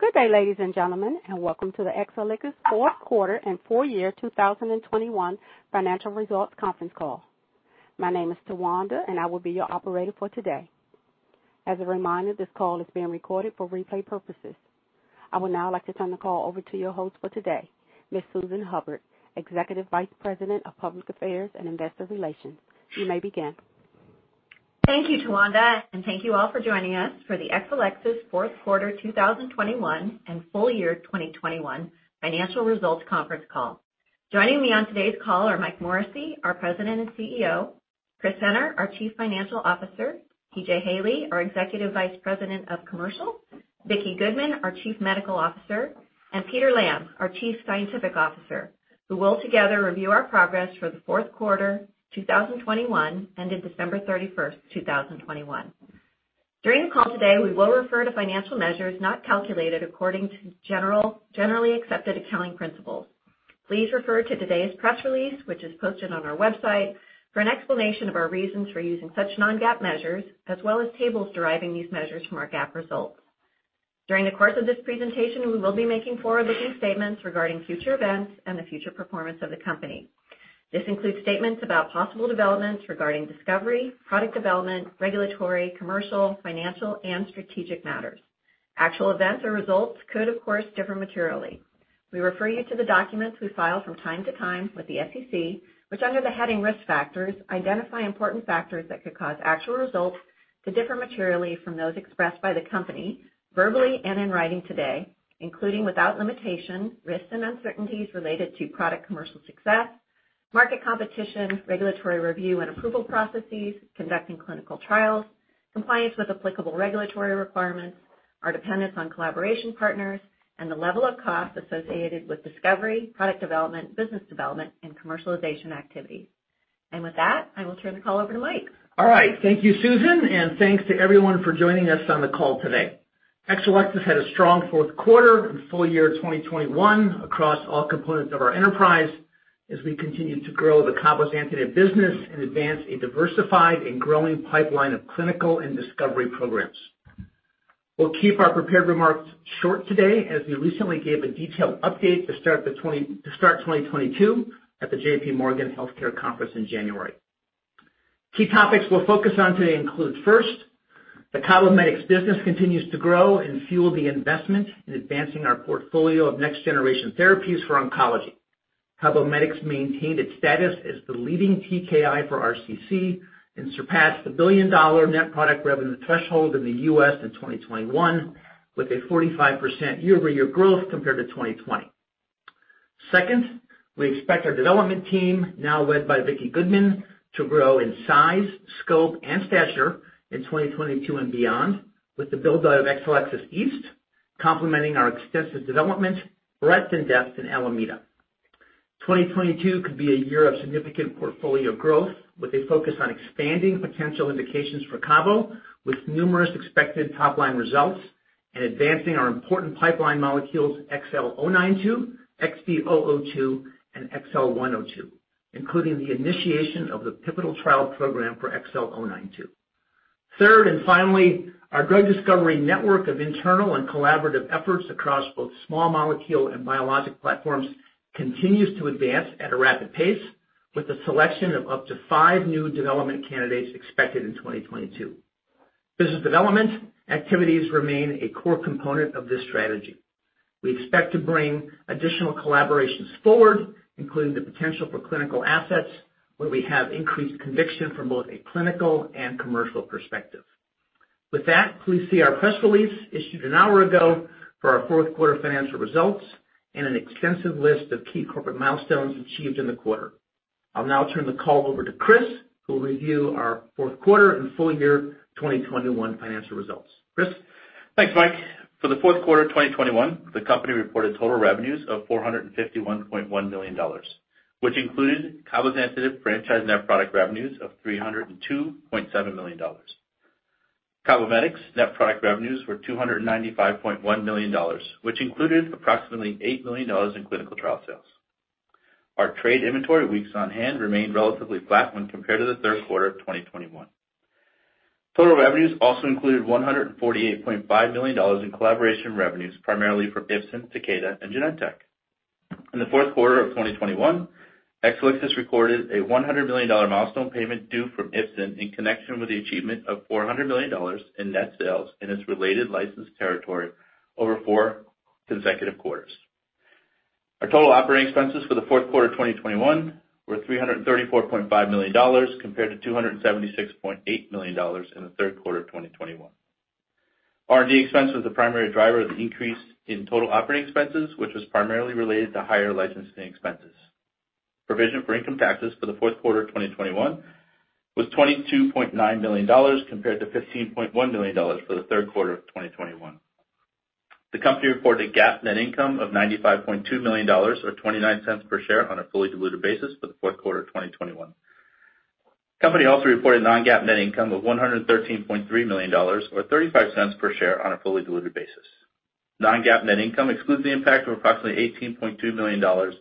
Good day, ladies and gentlemen, and welcome to the Exelixis fourth quarter and full year 2021 financial results conference call. My name is Towanda, and I will be your operator for today. As a reminder, this call is being recorded for replay purposes. I would now like to turn the call over to your host for today, Ms. Susan Hubbard, Executive Vice President of Public Affairs and Investor Relations. You may begin. Thank you, Towanda, and thank you all for joining us for the Exelixis fourth quarter 2021 and full year 2021 financial results conference call. Joining me on today's call are Mike Morrissey, our President and CEO, Chris Senner, our Chief Financial Officer, P.J. Haley, our Executive Vice President of Commercial, Vicki Goodman, our Chief Medical Officer, and Peter Lamb, our Chief Scientific Officer, who will together review our progress for the fourth quarter 2021, ended December 31, 2021. During the call today, we will refer to financial measures not calculated according to generally accepted accounting principles. Please refer to today's press release, which is posted on our website, for an explanation of our reasons for using such non-GAAP measures, as well as tables deriving these measures from our GAAP results. During the course of this presentation, we will be making forward-looking statements regarding future events and the future performance of the company. This includes statements about possible developments regarding discovery, product development, regulatory, commercial, financial, and strategic matters. Actual events or results could, of course, differ materially. We refer you to the documents we file from time to time with the SEC, which under the heading Risk Factors, identify important factors that could cause actual results to differ materially from those expressed by the company, verbally and in writing today, including without limitation, risks and uncertainties related to product commercial success, market competition, regulatory review and approval processes, conducting clinical trials, compliance with applicable regulatory requirements, our dependence on collaboration partners, and the level of cost associated with discovery, product development, business development, and commercialization activities. With that, I will turn the call over to Mike. All right. Thank you, Susan, and thanks to everyone for joining us on the call today. Exelixis had a strong fourth quarter and full year 2021 across all components of our enterprise as we continue to grow the cabozantinib business and advance a diversified and growing pipeline of clinical and discovery programs. We'll keep our prepared remarks short today, as we recently gave a detailed update to start 2022 at the J.P. Morgan Healthcare Conference in January. Key topics we'll focus on today include, first, the CABOMETYX business continues to grow and fuel the investment in advancing our portfolio of next-generation therapies for oncology. CABOMETYX maintained its status as the leading TKI for RCC and surpassed the billion-dollar net product revenue threshold in the U.S. in 2021, with a 45% year-over-year growth compared to 2020. Second, we expect our development team, now led by Vicki Goodman, to grow in size, scope, and stature in 2022 and beyond, with the build-out of Exelixis East complementing our extensive development breadth and depth in Alameda. 2022 could be a year of significant portfolio growth with a focus on expanding potential indications for cabo with numerous expected top-line results and advancing our important pipeline molecules XL092, XB002, and XL102, including the initiation of the pivotal trial program for XL092. Third, and finally, our drug discovery network of internal and collaborative efforts across both small molecule and biologic platforms continues to advance at a rapid pace, with a selection of up to five new development candidates expected in 2022. Business development activities remain a core component of this strategy. We expect to bring additional collaborations forward, including the potential for clinical assets where we have increased conviction from both a clinical and commercial perspective. With that, please see our press release issued an hour ago for our fourth quarter financial results and an extensive list of key corporate milestones achieved in the quarter. I'll now turn the call over to Chris, who will review our fourth quarter and full year 2021 financial results. Chris? Thanks, Mike. For the fourth quarter of 2021, the company reported total revenues of $451.1 million, which included cabozantinib franchise net product revenues of $302.7 million. CABOMETYX net product revenues were $295.1 million, which included approximately $8 million in clinical trial sales. Our trade inventory weeks on hand remained relatively flat when compared to the third quarter of 2021. Total revenues also included $148.5 million in collaboration revenues, primarily from Ipsen, Takeda, and Genentech. In the fourth quarter of 2021, Exelixis recorded a $100 million milestone payment due from Ipsen in connection with the achievement of $400 million in net sales in its related licensed territory over four consecutive quarters. Our total operating expenses for the fourth quarter of 2021 were $334.5 million, compared to $276.8 million in the third quarter of 2021. R&D expense was the primary driver of the increase in total operating expenses, which was primarily related to higher licensing expenses. Provision for income taxes for the fourth quarter of 2021 was $22.9 million, compared to $15.1 million for the third quarter of 2021. The company reported GAAP net income of $95.2 million, or 29 cents per share on a fully diluted basis for the fourth quarter of 2021. Company also reported non-GAAP net income of $113.3 million, or 35 cents per share on a fully diluted basis. Non-GAAP net income excludes the impact of approximately $18.2 million of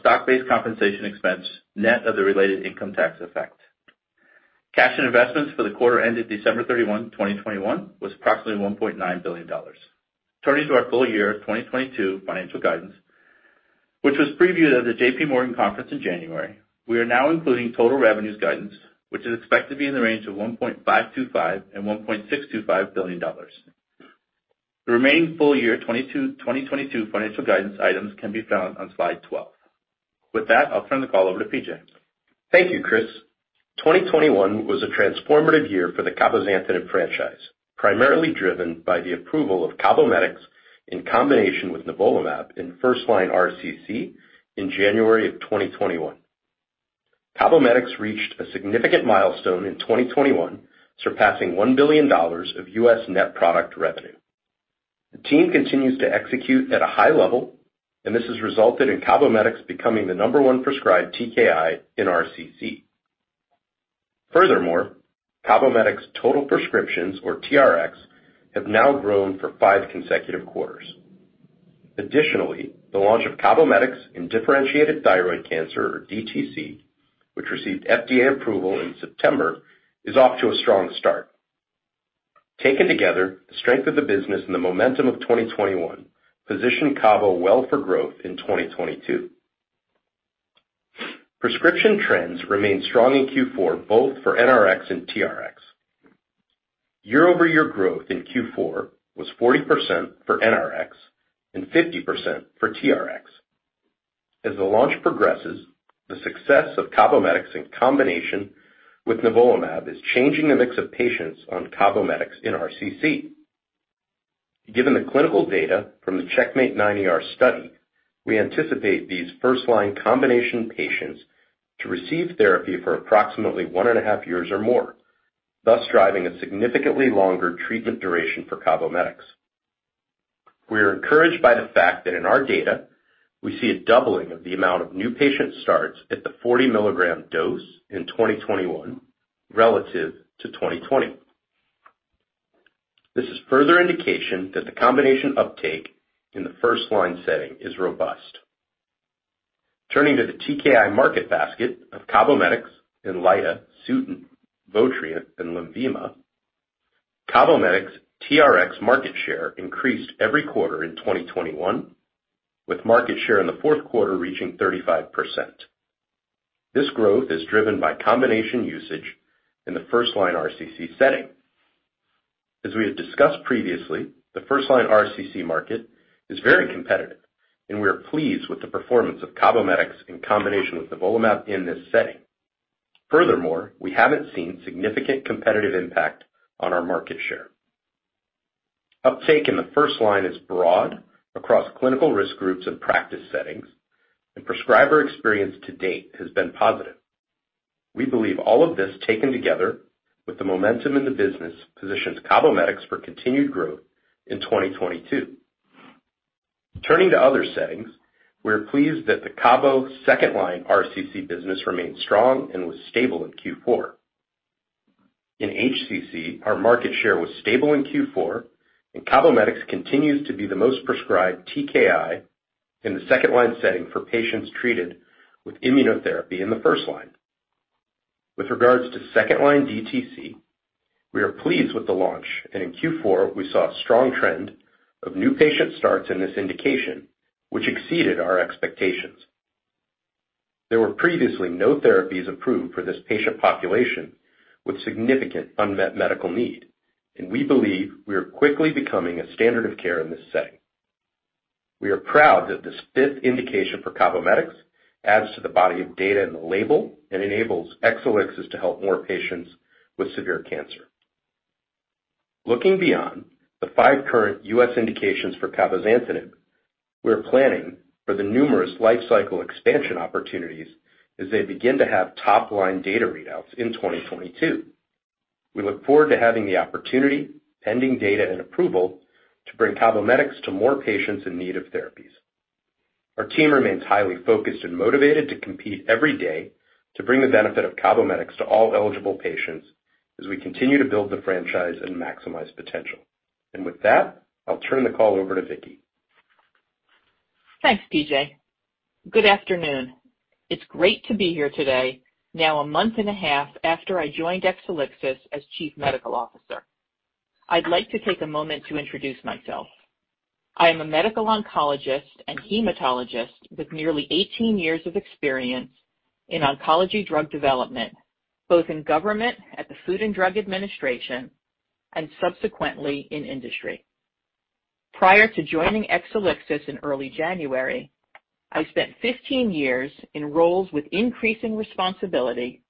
stock-based compensation expense, net of the related income tax effect. Cash and investments for the quarter ended December 31, 2021 was approximately $1.9 billion. Turning to our full year 2022 financial guidance, which was previewed at the JPMorgan conference in January. We are now including total revenues guidance, which is expected to be in the range of $1.525 billion-$1.625 billion. The remaining full year 2022 financial guidance items can be found on slide 12. With that, I'll turn the call over to P.J. Thank you, Chris. 2021 was a transformative year for the cabozantinib franchise, primarily driven by the approval of CABOMETYX in combination with nivolumab in first-line RCC in January 2021. CABOMETYX reached a significant milestone in 2021, surpassing $1 billion of U.S. net product revenue. The team continues to execute at a high level, and this has resulted in CABOMETYX becoming the number one prescribed TKI in RCC. Furthermore, CABOMETYX total prescriptions, or TRXs, have now grown for 5 consecutive quarters. Additionally, the launch of CABOMETYX in differentiated thyroid cancer, or DTC, which received FDA approval in September, is off to a strong start. Taken together, the strength of the business and the momentum of 2021 position CABO well for growth in 2022. Prescription trends remain strong in Q4, both for NRX and TRX. Year-over-year growth in Q4 was 40% for NRX and 50% for TRX. As the launch progresses, the success of CABOMETYX in combination with nivolumab is changing the mix of patients on CABOMETYX in RCC. Given the clinical data from the CheckMate 9ER study, we anticipate these first-line combination patients to receive therapy for approximately 1.5 years or more, thus driving a significantly longer treatment duration for CABOMETYX. We are encouraged by the fact that in our data we see a doubling of the amount of new patient starts at the 40 mg dose in 2021 relative to 2020. This is further indication that the combination uptake in the first-line setting is robust. Turning to the TKI market basket of CABOMETYX, INLYTA, Sutent, VOTRIENT, and LENVIMA, CABOMETYX TRx market share increased every quarter in 2021, with market share in the fourth quarter reaching 35%. This growth is driven by combination usage in the first-line RCC setting. As we have discussed previously, the first-line RCC market is very competitive, and we are pleased with the performance of CABOMETYX in combination with nivolumab in this setting. Furthermore, we haven't seen significant competitive impact on our market share. Uptake in the first line is broad across clinical risk groups and practice settings, and prescriber experience to date has been positive. We believe all of this, taken together with the momentum in the business, positions CABOMETYX for continued growth in 2022. Turning to other settings, we are pleased that the CABO second-line RCC business remained strong and was stable in Q4. In HCC, our market share was stable in Q4, and CABOMETYX continues to be the most prescribed TKI in the second-line setting for patients treated with immunotherapy in the first-line. With regards to second-line DTC, we are pleased with the launch. In Q4, we saw a strong trend of new patient starts in this indication, which exceeded our expectations. There were previously no therapies approved for this patient population with significant unmet medical need, and we believe we are quickly becoming a standard of care in this setting. We are proud that this fifth indication for CABOMETYX adds to the body of data in the label and enables Exelixis to help more patients with severe cancer. Looking beyond the five current U.S. indications for cabozantinib, we are planning for the numerous life cycle expansion opportunities as they begin to have top-line data readouts in 2022. We look forward to having the opportunity, pending data and approval, to bring CABOMETYX to more patients in need of therapies. Our team remains highly focused and motivated to compete every day to bring the benefit of CABOMETYX to all eligible patients as we continue to build the franchise and maximize potential. With that, I'll turn the call over to Vicki. Thanks, P.J. Good afternoon. It's great to be here today, now a month and a half after I joined Exelixis as Chief Medical Officer. I'd like to take a moment to introduce myself. I am a medical oncologist and hematologist with nearly 18 years of experience in oncology drug development, both in government at the Food and Drug Administration and subsequently in industry. Prior to joining Exelixis in early January, I spent 15 years in roles with increasing responsibility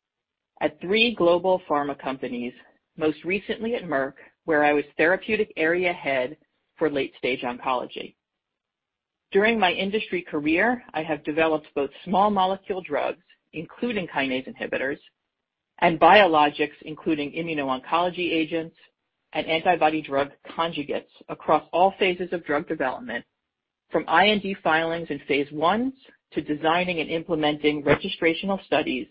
at three global pharma companies, most recently at Merck, where I was Therapeutic Area Head for late-stage oncology. During my industry career, I have developed both small molecule drugs, including kinase inhibitors, and biologics, including immuno-oncology agents and antibody-drug conjugates across all phases of drug development, from IND filings in phase I's to designing and implementing registrational studies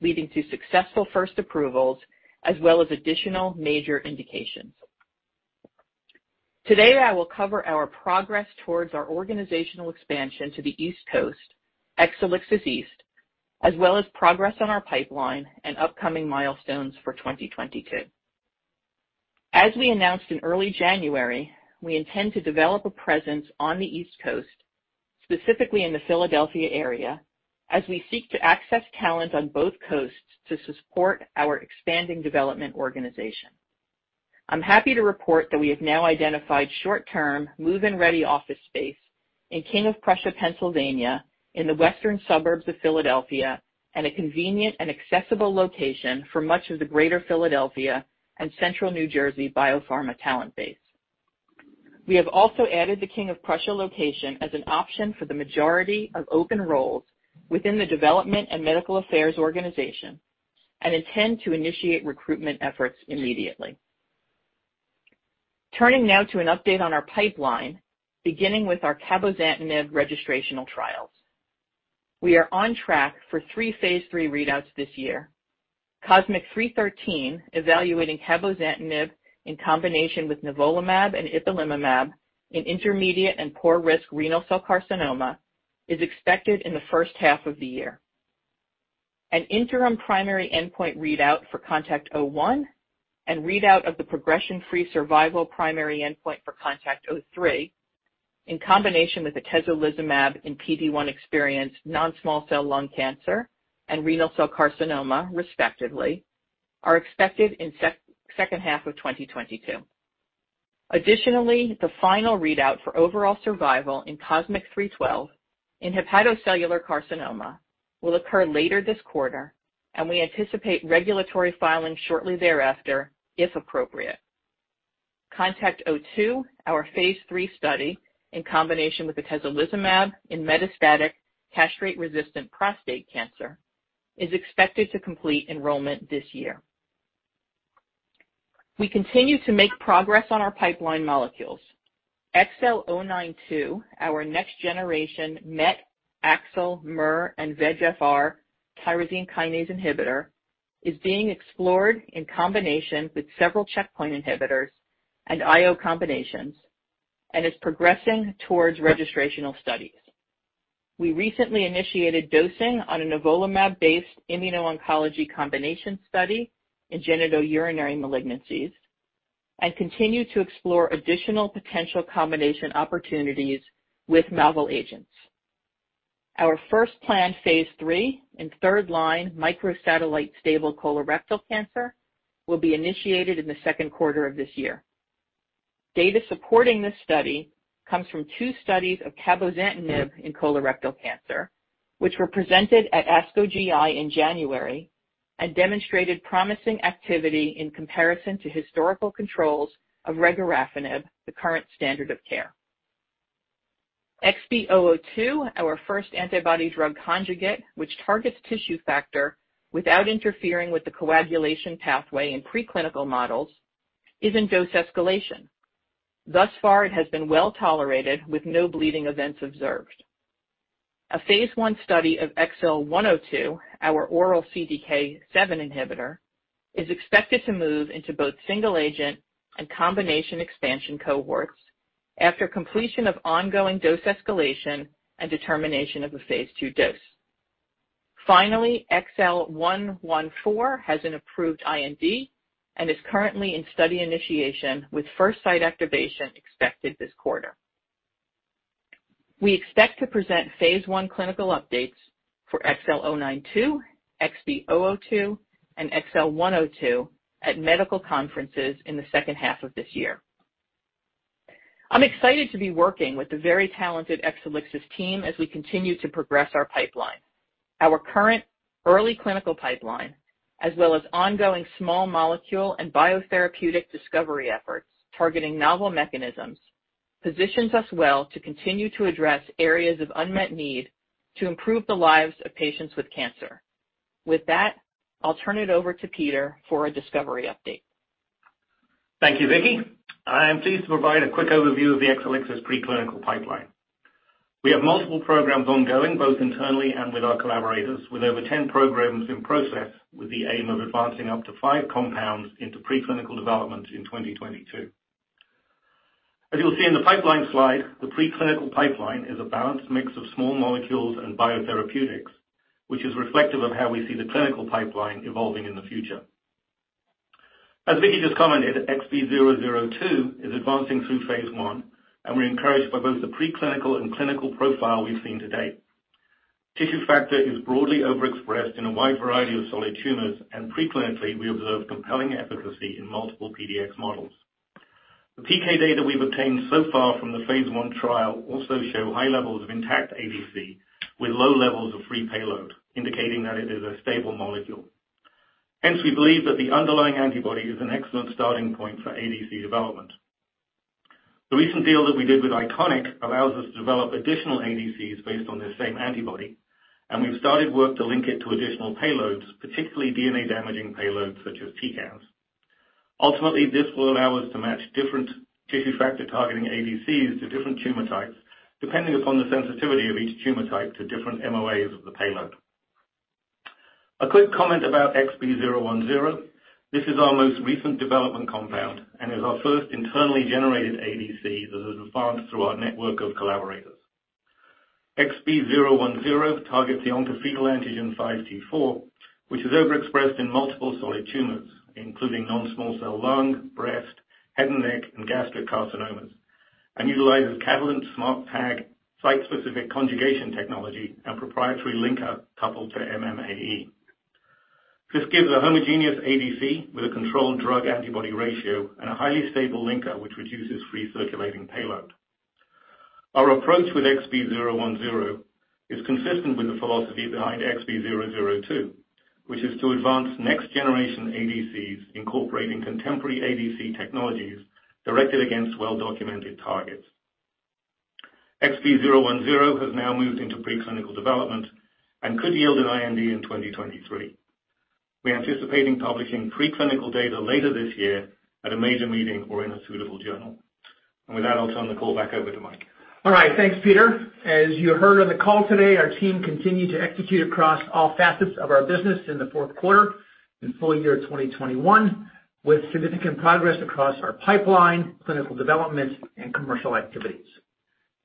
leading to successful first approvals as well as additional major indications. Today, I will cover our progress towards our organizational expansion to the East Coast, Exelixis East, as well as progress on our pipeline and upcoming milestones for 2022. As we announced in early January, we intend to develop a presence on the East Coast, specifically in the Philadelphia area, as we seek to access talent on both coasts to support our expanding development organization. I'm happy to report that we have now identified short-term move-in ready office space in King of Prussia, Pennsylvania, in the western suburbs of Philadelphia, and a convenient and accessible location for much of the Greater Philadelphia and Central New Jersey biopharma talent base. We have also added the King of Prussia location as an option for the majority of open roles within the development and medical affairs organization and intend to initiate recruitment efforts immediately. Turning now to an update on our pipeline, beginning with our cabozantinib registrational trials. We are on track for 3 phase III readouts this year. COSMIC-313, evaluating cabozantinib in combination with nivolumab and ipilimumab in intermediate- and poor-risk renal cell carcinoma, is expected in the first half of the year. An interim primary endpoint readout for CONTACT-01 and readout of the progression-free survival primary endpoint for CONTACT-03 in combination with atezolizumab in PD-1 experienced non-small cell lung cancer and renal cell carcinoma, respectively, are expected in second half of 2022. Additionally, the final readout for overall survival in COSMIC-312 in hepatocellular carcinoma will occur later this quarter, and we anticipate regulatory filing shortly thereafter, if appropriate. CONTACT-02, our phase III study in combination with atezolizumab in metastatic castrate-resistant prostate cancer, is expected to complete enrollment this year. We continue to make progress on our pipeline molecules. XL092, our next-generation MET, AXL, MER, and VEGFR tyrosine kinase inhibitor, is being explored in combination with several checkpoint inhibitors and IO combinations and is progressing towards registrational studies. We recently initiated dosing on a nivolumab-based immuno-oncology combination study in genitourinary malignancies and continue to explore additional potential combination opportunities with novel agents. Our first planned phase III in third-line microsatellite stable colorectal cancer will be initiated in the second quarter of this year. Data supporting this study comes from two studies of cabozantinib in colorectal cancer, which were presented at ASCO GI in January and demonstrated promising activity in comparison to historical controls of regorafenib, the current standard of care. XB002, our first antibody drug conjugate, which targets tissue factor without interfering with the coagulation pathway in preclinical models, is in dose escalation. Thus far, it has been well-tolerated with no bleeding events observed. A phase I study of XL102, our oral CDK7 inhibitor, is expected to move into both single agent and combination expansion cohorts after completion of ongoing dose escalation and determination of a phase II dose. Finally, XL114 has an approved IND and is currently in study initiation, with first site activation expected this quarter. We expect to present phase I clinical updates for XL092, XB002, and XL102 at medical conferences in the second half of this year. I'm excited to be working with the very talented Exelixis team as we continue to progress our pipeline. Our current early clinical pipeline, as well as ongoing small molecule and biotherapeutic discovery efforts targeting novel mechanisms, positions us well to continue to address areas of unmet need to improve the lives of patients with cancer. With that, I'll turn it over to Peter for a discovery update. Thank you, Vicki. I am pleased to provide a quick overview of the Exelixis preclinical pipeline. We have multiple programs ongoing, both internally and with our collaborators, with over 10 programs in process, with the aim of advancing up to five compounds into preclinical development in 2022. As you'll see in the pipeline slide, the preclinical pipeline is a balanced mix of small molecules and biotherapeutics, which is reflective of how we see the clinical pipeline evolving in the future. As Vicki just commented, XB002 is advancing through phase I, and we're encouraged by both the preclinical and clinical profile we've seen to date. Tissue factor is broadly overexpressed in a wide variety of solid tumors, and preclinically, we observed compelling efficacy in multiple PDX models. The PK data we've obtained so far from the phase I trial also show high levels of intact ADC with low levels of free payload, indicating that it is a stable molecule. Hence, we believe that the underlying antibody is an excellent starting point for ADC development. The recent deal that we did with Iconic allows us to develop additional ADCs based on this same antibody, and we've started work to link it to additional payloads, particularly DNA-damaging payloads such as TCAS. Ultimately, this will allow us to match different tissue factor targeting ADCs to different tumor types, depending upon the sensitivity of each tumor type to different MOAs of the payload. A quick comment about XB010. This is our most recent development compound and is our first internally generated ADC that has advanced through our network of collaborators. XB010 targets the oncofetal antigen 5T4, which is overexpressed in multiple solid tumors, including non-small cell lung, breast, head and neck, and gastric carcinomas, and utilizes Catalent SMARTag site-specific conjugation technology and proprietary linker coupled to MMAE. This gives a homogeneous ADC with a controlled drug antibody ratio and a highly stable linker, which reduces free circulating payload. Our approach with XB010 is consistent with the philosophy behind XB002, which is to advance next generation ADCs incorporating contemporary ADC technologies directed against well-documented targets. XB010 has now moved into preclinical development and could yield an IND in 2023. We're anticipating publishing preclinical data later this year at a major meeting or in a suitable journal. With that, I'll turn the call back over to Mike. All right. Thanks, Peter. As you heard on the call today, our team continued to execute across all facets of our business in the fourth quarter and full year 2021, with significant progress across our pipeline, clinical development, and commercial activities.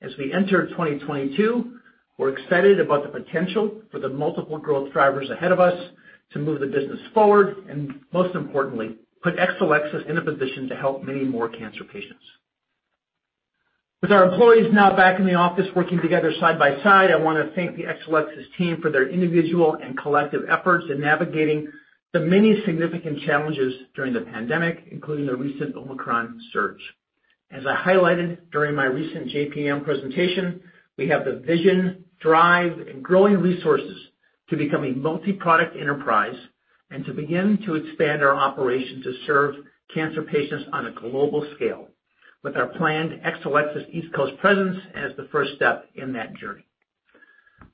As we enter 2022, we're excited about the potential for the multiple growth drivers ahead of us to move the business forward and most importantly, put Exelixis in a position to help many more cancer patients. With our employees now back in the office working together side by side, I wanna thank the Exelixis team for their individual and collective efforts in navigating the many significant challenges during the pandemic, including the recent Omicron surge. As I highlighted during my recent JPM presentation, we have the vision, drive, and growing resources to become a multi-product enterprise and to begin to expand our operations to serve cancer patients on a global scale with our planned Exelixis East Coast presence as the first step in that journey.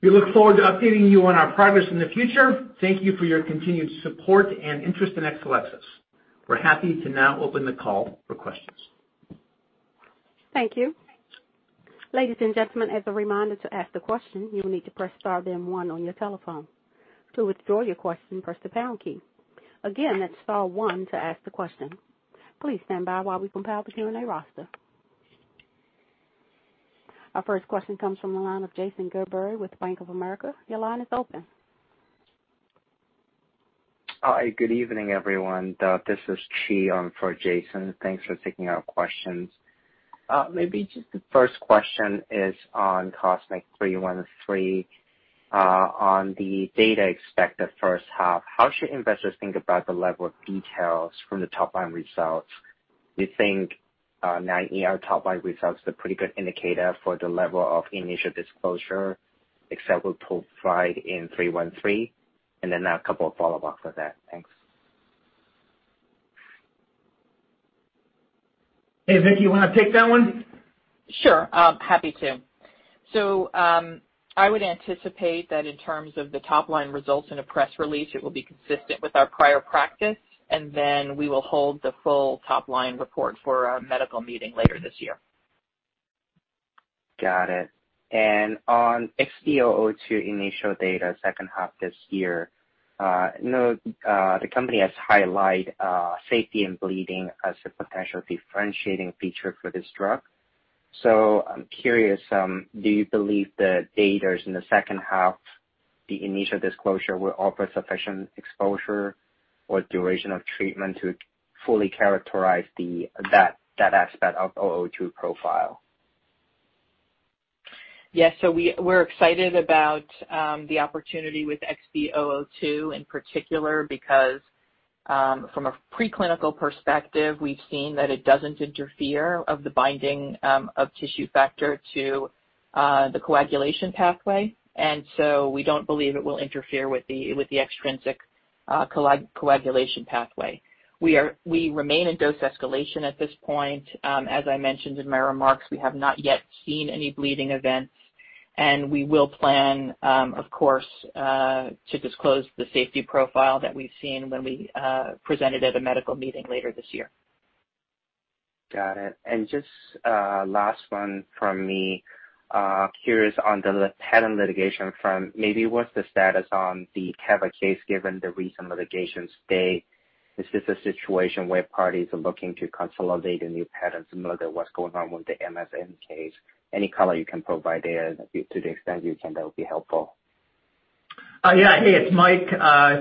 We look forward to updating you on our progress in the future. Thank you for your continued support and interest in Exelixis. We're happy to now open the call for questions. Thank you. Ladies and gentlemen, as a reminder, to ask the question, you will need to press star then one on your telephone. To withdraw your question, press the pound key. Again, that's star one to ask the question. Please stand by while we compile the Q&A roster. Our first question comes from the line of Jason Gerberry with Bank of America. Your line is open. Hi. Good evening, everyone. This is Chi in for Jason Gerberry. Thanks for taking our questions. Maybe just the first question is on COSMIC-313, on the data expected first half. How should investors think about the level of details from the top-line results? Do you think, CheckMate 9ER top-line results is a pretty good indicator for the level of initial disclosure Exelixis will provide in COSMIC-313? And then a couple of follow-ups with that. Thanks. Hey, Vicki, you wanna take that one? Sure, happy to. I would anticipate that in terms of the top-line results in a press release, it will be consistent with our prior practice, and then we will hold the full top-line report for our medical meeting later this year. Got it. On XB002 initial data second half this year, I know the company has highlighted safety and bleeding as a potential differentiating feature for this drug. I'm curious, do you believe the data in the second half, the initial disclosure will offer sufficient exposure or duration of treatment to fully characterize that aspect of XB002 profile? Yes. We're excited about the opportunity with XB002 in particular because from a preclinical perspective, we've seen that it doesn't interfere with the binding of tissue factor to the coagulation pathway. We don't believe it will interfere with the extrinsic coagulation pathway. We remain in dose escalation at this point. As I mentioned in my remarks, we have not yet seen any bleeding events, and we will plan of course to disclose the safety profile that we've seen when we present it at a medical meeting later this year. Got it. Just, last one from me. Curious on the patent litigation front. Maybe what's the status on the cabo case given the recent litigation stay? Is this a situation where parties are looking to consolidate a new patent similar to what's going on with the MSM case? Any color you can provide there to the extent you can, that would be helpful. Hey, it's Mike.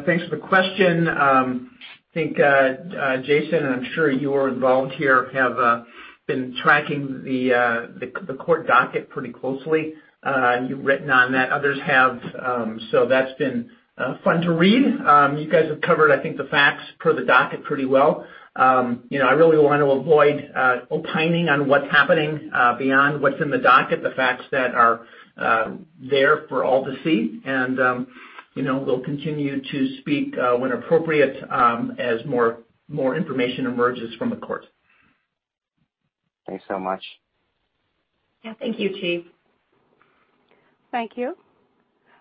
Thanks for the question. I think Jason, and I'm sure you're involved here, have been tracking the court docket pretty closely. You've written on that. Others have. That's been fun to read. You guys have covered, I think, the facts per the docket pretty well. You know, I really want to avoid opining on what's happening beyond what's in the docket, the facts that are there for all to see. You know, we'll continue to speak when appropriate, as more information emerges from the court. Thanks so much. Yeah. Thank you, Chi. Thank you.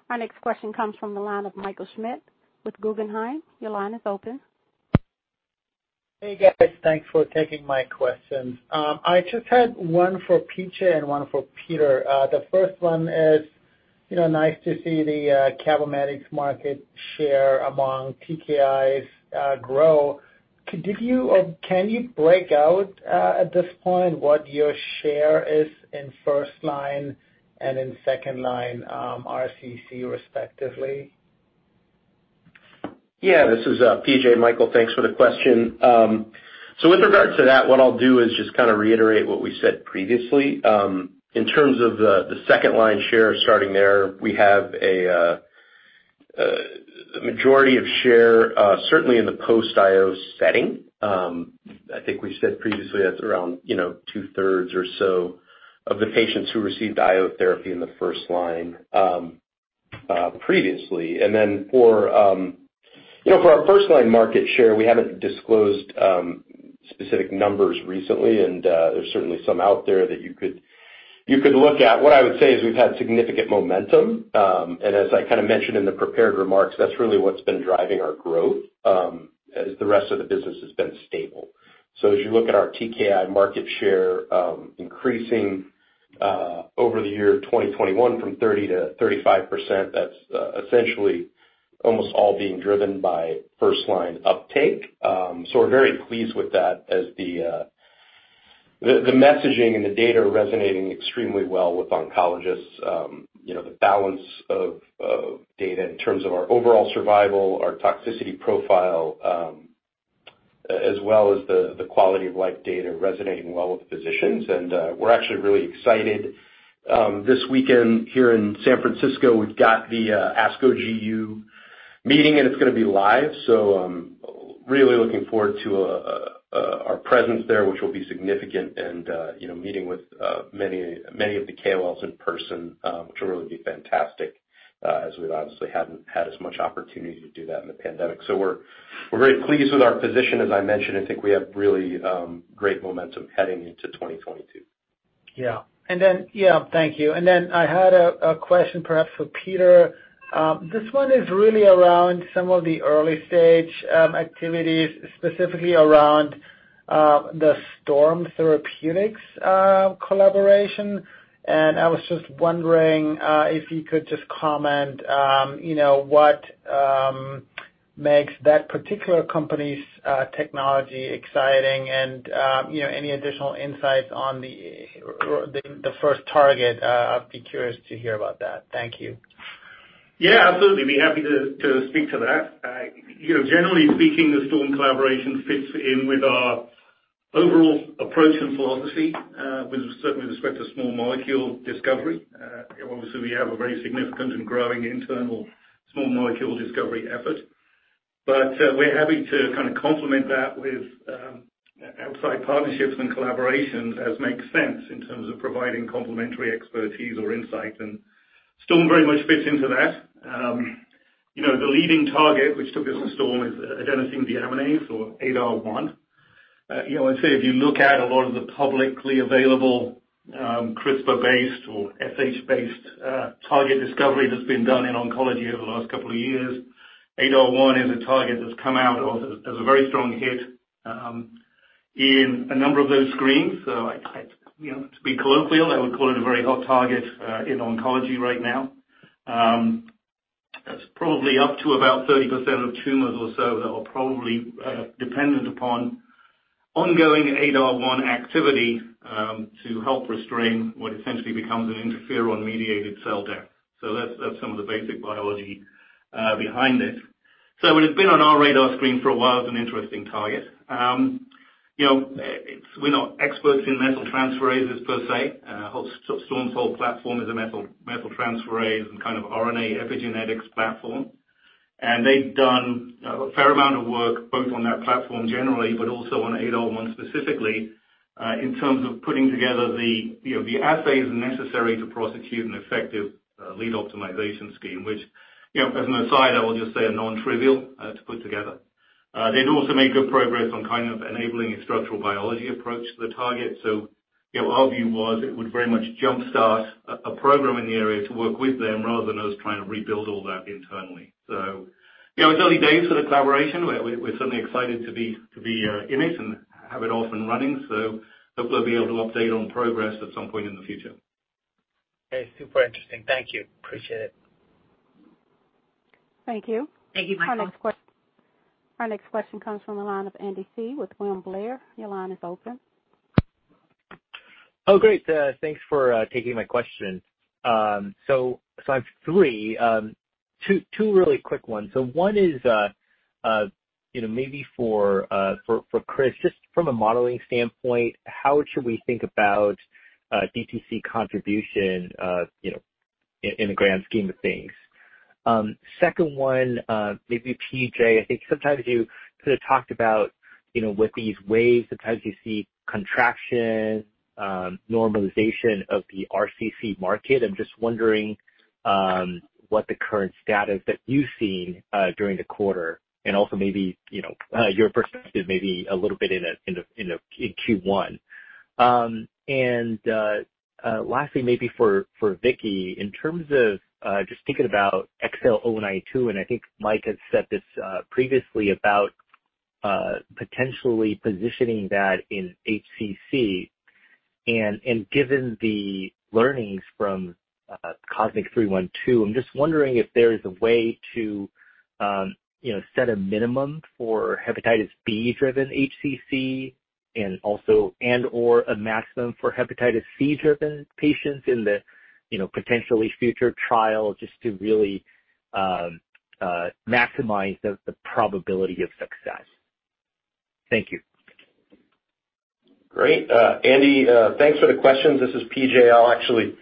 Our next question comes from the line of Michael Schmidt with Guggenheim. Your line is open. Hey guys, thanks for taking my questions. I just had one for PJ and one for Peter. The first one is, you know, nice to see the CABOMETYX market share among TKIs grow. Did you or can you break out at this point what your share is in first line and in second line, RCC respectively? Yeah, this is P.J. Michael, thanks for the question. So with regard to that, what I'll do is just kind of reiterate what we said previously. In terms of the second line share starting there, we have a majority of share certainly in the post-IO setting. I think we said previously, that's around, you know, two-thirds or so of the patients who received IO therapy in the first line previously. For our first line market share, we haven't disclosed specific numbers recently, and there's certainly some out there that you could look at. What I would say is we've had significant momentum, and as I kind of mentioned in the prepared remarks, that's really what's been driving our growth, as the rest of the business has been stable. As you look at our TKI market share increasing over the year 2021 from 30%-35%, that's essentially almost all being driven by first-line uptake. We're very pleased with that as the messaging and the data are resonating extremely well with oncologists. You know, the balance of data in terms of our overall survival, our toxicity profile, as well as the quality of life data resonating well with physicians. We're actually really excited this weekend here in San Francisco. We've got the ASCO GU meeting, and it's gonna be live. Really looking forward to our presence there, which will be significant and you know, meeting with many of the KOLs in person, which will really be fantastic, as we obviously haven't had as much opportunity to do that in the pandemic. We're very pleased with our position, as I mentioned. I think we have really great momentum heading into 2022. Yeah, thank you. I had a question perhaps for Peter. This one is really around some of the early stage activities, specifically around the STORM Therapeutics collaboration. I was just wondering if you could just comment, you know, what makes that particular company's technology exciting and, you know, any additional insights on the first target. I'd be curious to hear about that. Thank you. Yeah, absolutely. Be happy to speak to that. You know, generally speaking, the STORM collaboration fits in with our overall approach and philosophy, with certainly respect to small molecule discovery. Obviously we have a very significant and growing internal small molecule discovery effort. We're happy to kind of complement that with outside partnerships and collaborations as makes sense in terms of providing complementary expertise or insight. STORM very much fits into that. You know, the leading target which took us to STORM is adenosine deaminase or ADAR1. You know, I'd say if you look at a lot of the publicly available CRISPR-based or shRNA-based target discovery that's been done in oncology over the last couple of years, ADAR1 is a target that's come out of as a very strong hit in a number of those screens. You know, to be colloquial, I would call it a very hot target in oncology right now. That's probably up to about 30% of tumors or so that are probably dependent upon ongoing ADAR1 activity to help restrain what essentially becomes an interferon-mediated cell death. That's some of the basic biology behind it. It has been on our radar screen for a while as an interesting target. You know, we're not experts in methyltransferases per se. STORM's whole platform is a methyltransferase and kind of RNA epigenetics platform. They've done a fair amount of work both on that platform generally, but also on ADAR1 specifically, in terms of putting together you know the assays necessary to prosecute an effective lead optimization scheme, which you know as an aside I will just say are non-trivial to put together. They'd also made good progress on kind of enabling a structural biology approach to the target. Our view was it would very much jumpstart a program in the area to work with them rather than us trying to rebuild all that internally. It's early days for the collaboration. We're certainly excited to be in it and have it off and running. Hopefully we'll be able to update on progress at some point in the future. Okay. Super interesting. Thank you. Appreciate it. Thank you. Thank you, Michael. Our next question comes from the line of Andy Hsieh. with William Blair. Your line is open. Thanks for taking my question. I have two really quick ones. One is, you know, maybe for Chris, just from a modeling standpoint, how should we think about DTC contribution, you know, in the grand scheme of things? Second one, maybe PJ, I think sometimes you could have talked about, you know, with these waves, sometimes you see contraction, normalization of the RCC market. I'm just wondering what the current status that you've seen during the quarter, and also maybe, you know, your perspective maybe a little bit in Q1, and lastly, maybe for Vicky, in terms of just thinking about XL092, and I think Mike had said this previously about potentially positioning that in HCC. Given the learnings from COSMIC-312, I'm just wondering if there is a way to, you know, set a minimum for hepatitis B driven HCC and also and/or a maximum for hepatitis C driven patients in the, you know, potentially future trial, just to really maximize the probability of success. Thank you. Great. Andy, thanks for the questions. This is P.J. I'll actually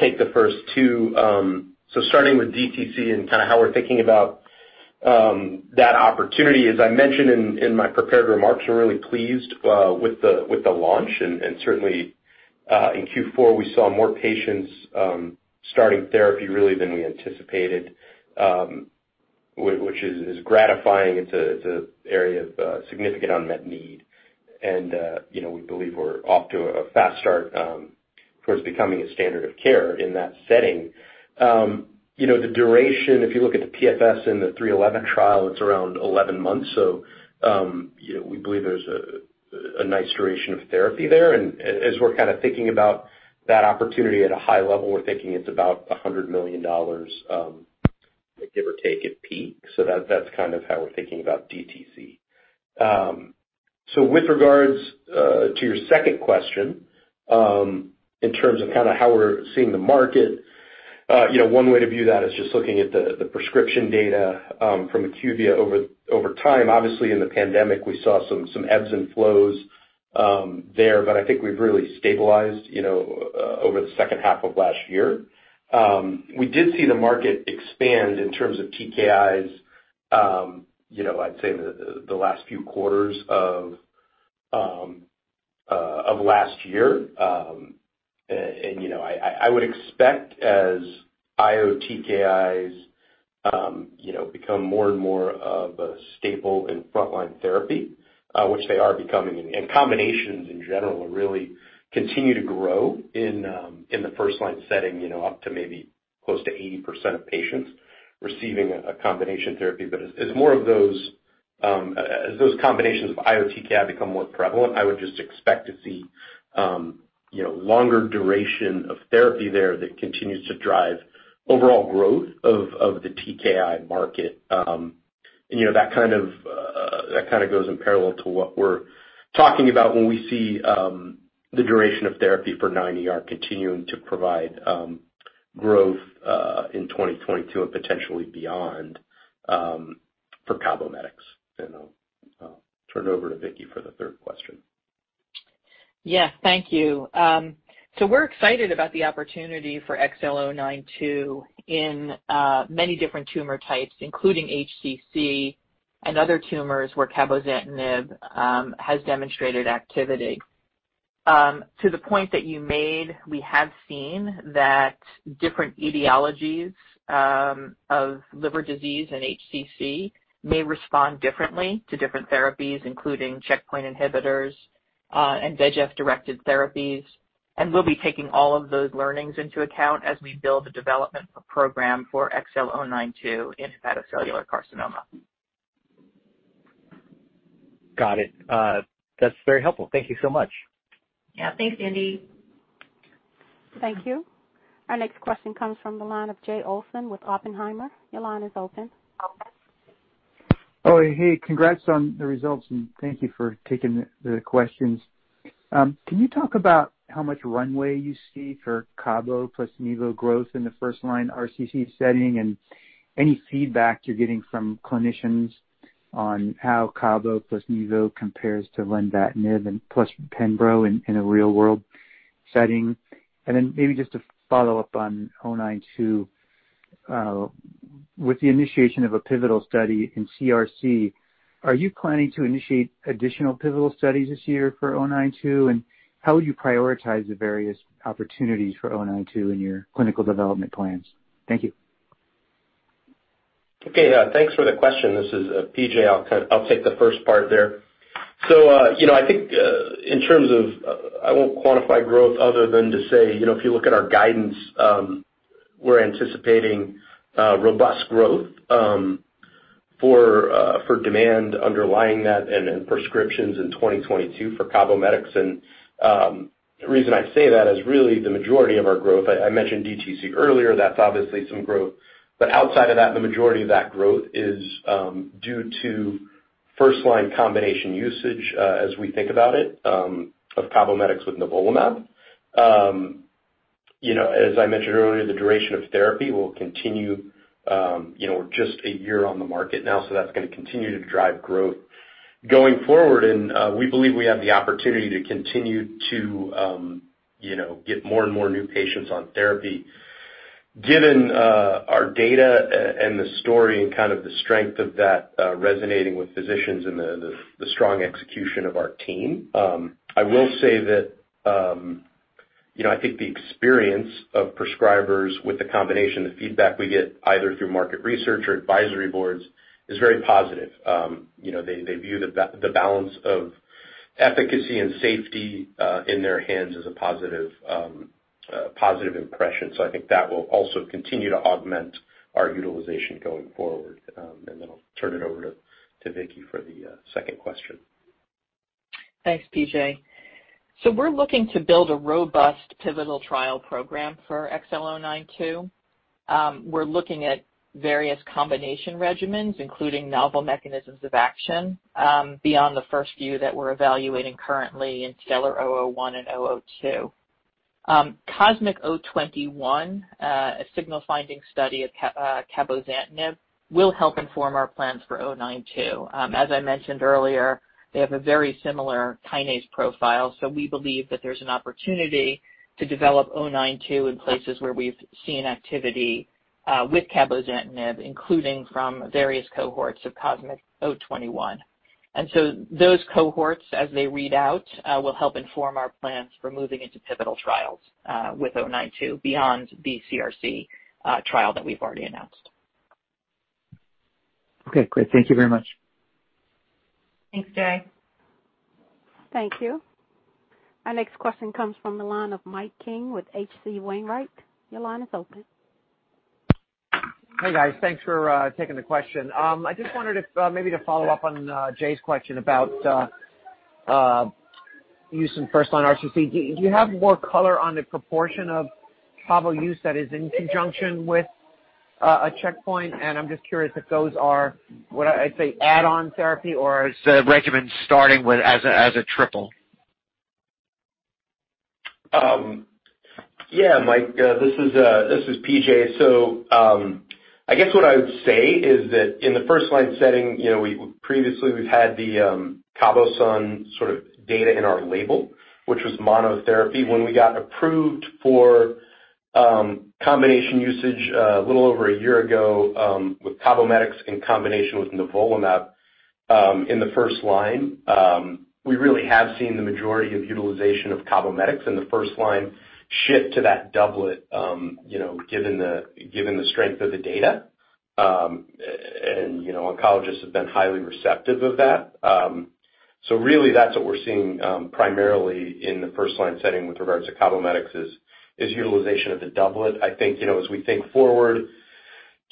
take the first two. Starting with DTC and kind of how we're thinking about that opportunity, as I mentioned in my prepared remarks, we're really pleased with the launch and certainly in Q4, we saw more patients starting therapy really than we anticipated, which is gratifying. It's an area of significant unmet need. You know, we believe we're off to a fast start towards becoming a standard of care in that setting. You know, the duration, if you look at the PFS in the 313 trial, it's around 11 months. You know, we believe there's a nice duration of therapy there. As we're kind of thinking about that opportunity at a high level, we're thinking it's about $100 million, give or take at peak. So that's kind of how we're thinking about DTC. So with regards to your second question, in terms of kind of how we're seeing the market, you know, one way to view that is just looking at the prescription data from IQVIA over time. Obviously, in the pandemic, we saw some ebbs and flows there, but I think we've really stabilized, you know, over the second half of last year. We did see the market expand in terms of TKIs, you know, I'd say the last few quarters of last year. You know, I would expect as IO TKIs become more and more of a staple in frontline therapy, which they are becoming, and combinations in general really continue to grow in the first line setting, you know, up to maybe close to 80% of patients receiving a combination therapy. As more of those, as those combinations of IO TKI become more prevalent, I would just expect to see longer duration of therapy there that continues to drive overall growth of the TKI market. You know, that kind of goes in parallel to what we're talking about when we see the duration of therapy for 9ER continuing to provide growth in 2022 and potentially beyond for CABOMETYX. I'll turn it over to Vicki for the third question. Yes. Thank you. So we're excited about the opportunity for XL092 in many different tumor types, including HCC and other tumors where cabozantinib has demonstrated activity. To the point that you made, we have seen that different etiologies of liver disease and HCC may respond differently to different therapies, including checkpoint inhibitors and VEGF-directed therapies. We'll be taking all of those learnings into account as we build the development program for XL092 in hepatocellular carcinoma. Got it. That's very helpful. Thank you so much. Yeah, thanks, Andy. Thank you. Our next question comes from the line of Jay Olson with Oppenheimer. Your line is open. Oh, hey. Congrats on the results, and thank you for taking the questions. Can you talk about how much runway you see for CABO plus Nivo growth in the first line RCC setting and any feedback you're getting from clinicians on how CABO plus Nivo compares to lenvatinib plus pembrolizumab in a real world setting? Then maybe just to follow up on 092, with the initiation of a pivotal study in CRC, are you planning to initiate additional pivotal studies this year for 092? And how would you prioritize the various opportunities for 092 in your clinical development plans? Thank you. Okay. Yeah, thanks for the question. This is P.J. I'll take the first part there. You know, I think in terms of I won't quantify growth other than to say, you know, if you look at our guidance, we're anticipating robust growth for demand underlying that and prescriptions in 2022 for CABOMETYX. The reason I say that is really the majority of our growth. I mentioned DTC earlier, that's obviously some growth. Outside of that, the majority of that growth is due to first line combination usage as we think about it of CABOMETYX with nivolumab. You know, as I mentioned earlier, the duration of therapy will continue. You know, we're just a year on the market now, so that's gonna continue to drive growth going forward. We believe we have the opportunity to continue to, you know, get more and more new patients on therapy. Given our data and the story and kind of the strength of that resonating with physicians and the strong execution of our team, I will say that. You know, I think the experience of prescribers with the combination, the feedback we get either through market research or advisory boards is very positive. You know, they view the balance of efficacy and safety in their hands as a positive impression. I think that will also continue to augment our utilization going forward. Then I'll turn it over to Vicky for the second question. Thanks, P.J. We're looking to build a robust pivotal trial program for XL092. We're looking at various combination regimens, including novel mechanisms of action, beyond the first few that we're evaluating currently in STELLAR-001 and 002. COSMIC-021, a signal finding study of cabozantinib will help inform our plans for 092. As I mentioned earlier, they have a very similar kinase profile, so we believe that there's an opportunity to develop 092 in places where we've seen activity with cabozantinib, including from various cohorts of COSMIC-021. Those cohorts, as they read out, will help inform our plans for moving into pivotal trials with 092 beyond the CRC trial that we've already announced. Okay, great. Thank you very much. Thanks, Jay. Thank you. Our next question comes from the line of Mike King with H.C. Wainwright. Your line is open. Hey, guys. Thanks for taking the question. I just wondered if maybe to follow up on Jay's question about use in first-line RCC. Do you have more color on the proportion of cabo use that is in conjunction with a checkpoint? I'm just curious if those are, what I'd say, add-on therapy or is the regimen starting with as a triple? Yeah, Mike, this is P.J. I guess what I would say is that in the first-line setting, you know, we previously have had the CABOSUN sort of data in our label, which was monotherapy. When we got approved for combination usage a little over a year ago, with CABOMETYX in combination with nivolumab, in the first line, we really have seen the majority of utilization of CABOMETYX in the first line shift to that doublet, you know, given the strength of the data, and, you know, oncologists have been highly receptive of that. Really that's what we're seeing, primarily in the first line setting with regards to CABOMETYX is utilization of the doublet. I think, you know, as we think forward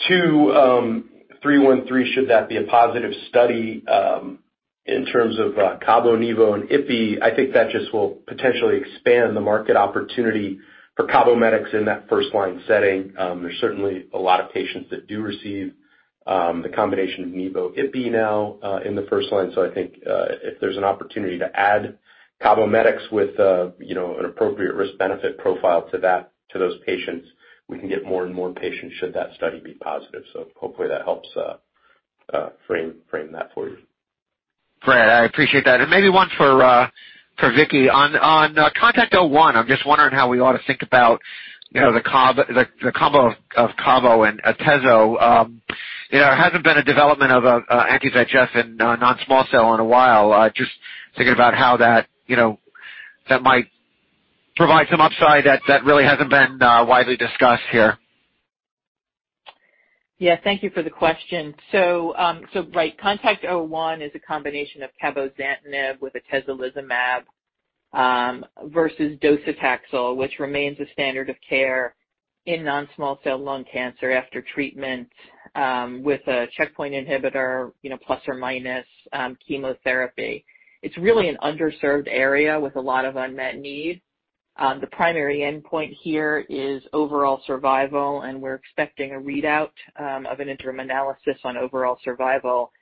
to COSMIC-313, should that be a positive study in terms of cabo, nivo and ipi, I think that just will potentially expand the market opportunity for CABOMETYX in that first-line setting. There's certainly a lot of patients that do receive the combination of nivo/ipi now in the first line. I think if there's an opportunity to add CABOMETYX with you know an appropriate risk-benefit profile to that, to those patients, we can get more and more patients should that study be positive. Hopefully that helps frame that for you. Great. I appreciate that. Maybe one for Vicky. On CONTACT-01, I'm just wondering how we ought to think about the combo of cabo and atezo. There hasn't been a development of an anti-VEGF in non-small cell in a while. Just thinking about how that might provide some upside that really hasn't been widely discussed here. Yeah. Thank you for the question. Right, CONTACT-01 is a combination of cabozantinib with atezolizumab, versus docetaxel, which remains the standard of care in non-small cell lung cancer after treatment, with a checkpoint inhibitor, you know, plus or minus, chemotherapy. It's really an underserved area with a lot of unmet need. The primary endpoint here is overall survival, and we're expecting a readout, of an interim analysis on overall survival,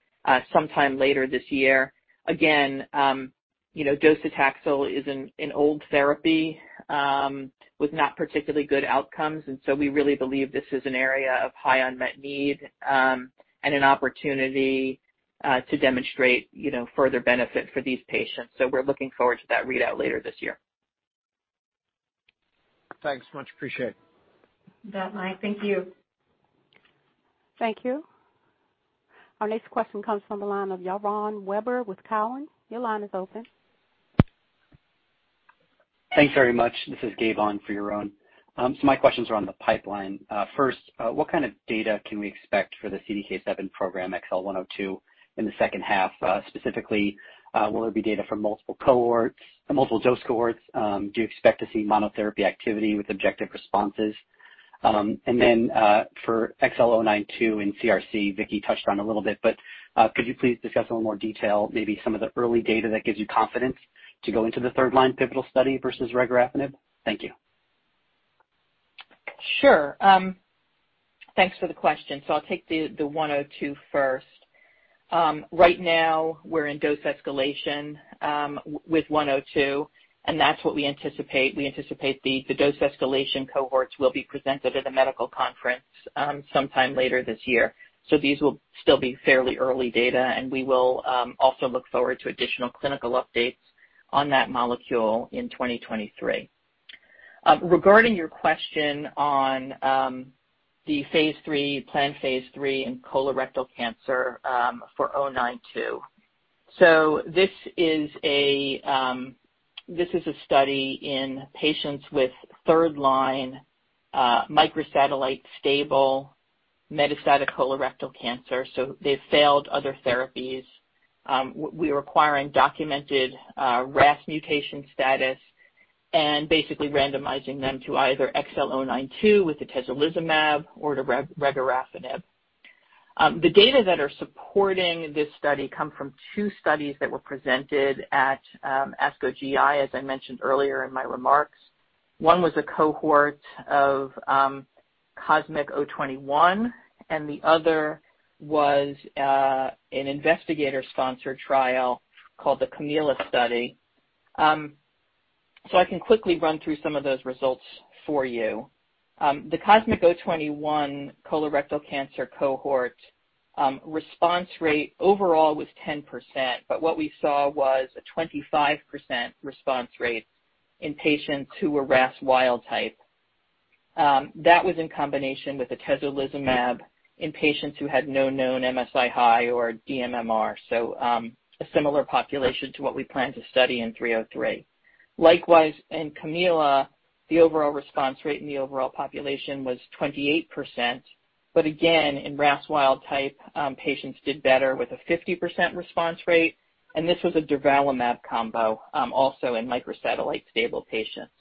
sometime later this year. Again, you know, docetaxel is an old therapy, with not particularly good outcomes. We really believe this is an area of high unmet need, and an opportunity, to demonstrate, you know, further benefit for these patients. We're looking forward to that readout later this year. Thanks much. Appreciate it. You bet, Mike. Thank you. Thank you. Our next question comes from the line of Yaron Werber with Cowen. Your line is open. Thanks very much. This is Gabe on for Yaron. So my questions are on the pipeline. First, what kind of data can we expect for the CDK7 program XL102 in the second half? Specifically, will it be data from multiple cohorts, multiple dose cohorts? Do you expect to see monotherapy activity with objective responses? And then, for XL092 in CRC, Vicki touched on a little bit, but could you please discuss in a little more detail maybe some of the early data that gives you confidence to go into the third-line pivotal study versus regorafenib? Thank you. Sure. Thanks for the question. I'll take the 102 first. Right now we're in dose escalation with 102, and that's what we anticipate. We anticipate the dose escalation cohorts will be presented at a medical conference sometime later this year. These will still be fairly early data, and we will also look forward to additional clinical updates on that molecule in 2023. Regarding your question on the phase III, planned phase III in colorectal cancer for 092. This is a study in patients with third-line microsatellite stable metastatic colorectal cancer, so they've failed other therapies. We're requiring documented RAS mutation status and basically randomizing them to either XL092 with atezolizumab or to regorafenib. The data that are supporting this study come from two studies that were presented at ASCO GI, as I mentioned earlier in my remarks. One was a cohort of COSMIC-021, and the other was an investigator-sponsored trial called the CAMILLA study. I can quickly run through some of those results for you. The COSMIC-021 colorectal cancer cohort, response rate overall was 10%, but what we saw was a 25% response rate in patients who were RAS wild type. That was in combination with atezolizumab in patients who had no known MSI-H or dMMR. A similar population to what we plan to study in 303. Likewise, in CAMILLA, the overall response rate in the overall population was 28%, but again, in RAS wild type, patients did better with a 50% response rate, and this was a durvalumab combo, also in microsatellite stable patients.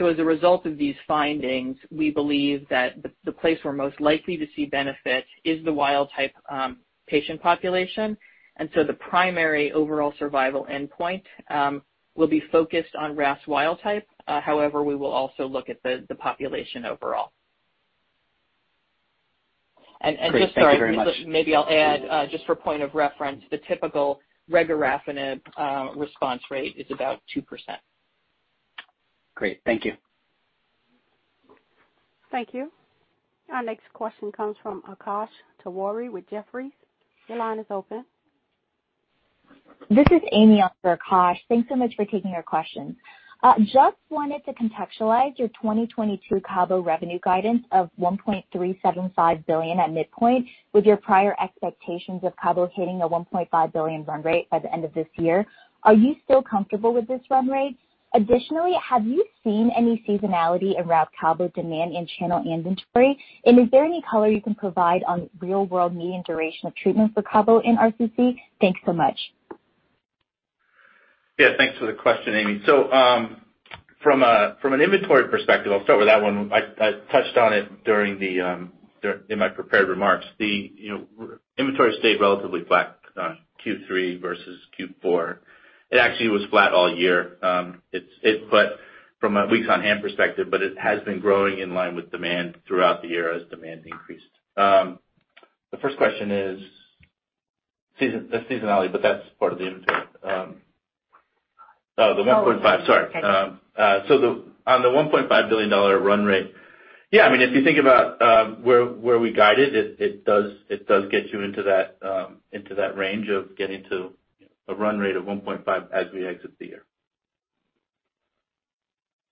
As a result of these findings, we believe that the place we're most likely to see benefit is the wild type, patient population. The primary overall survival endpoint will be focused on RAS wild type. However, we will also look at the population overall. Great. Thank you very much. Just sorry, maybe I'll add, just for point of reference, the typical regorafenib response rate is about 2%. Great. Thank you. Thank you. Our next question comes from Akash Tewari with Jefferies. Your line is open. This is Amy for Akash Tewari. Thanks so much for taking our question. Just wanted to contextualize your 2022 CABO revenue guidance of $1.375 billion at midpoint with your prior expectations of CABO hitting a $1.5 billion run rate by the end of this year. Are you still comfortable with this run rate? Additionally, have you seen any seasonality around CABO demand in channel inventory? And is there any color you can provide on real world median duration of treatments for CABO in RCC? Thanks so much. Yeah, thanks for the question, Amy. From an inventory perspective, I'll start with that one. I touched on it during in my prepared remarks. You know, the inventory stayed relatively flat Q3 versus Q4. It actually was flat all year. But from a weeks on hand perspective, but it has been growing in line with demand throughout the year as demand increased. The first question is season, that's seasonality, but that's part of the inventory. Oh. Oh, the 1.5. Sorry. Okay. On the $1.5 billion run rate, yeah, I mean, if you think about where we guided it does get you into that range of getting to a run rate of $1.5 as we exit the year.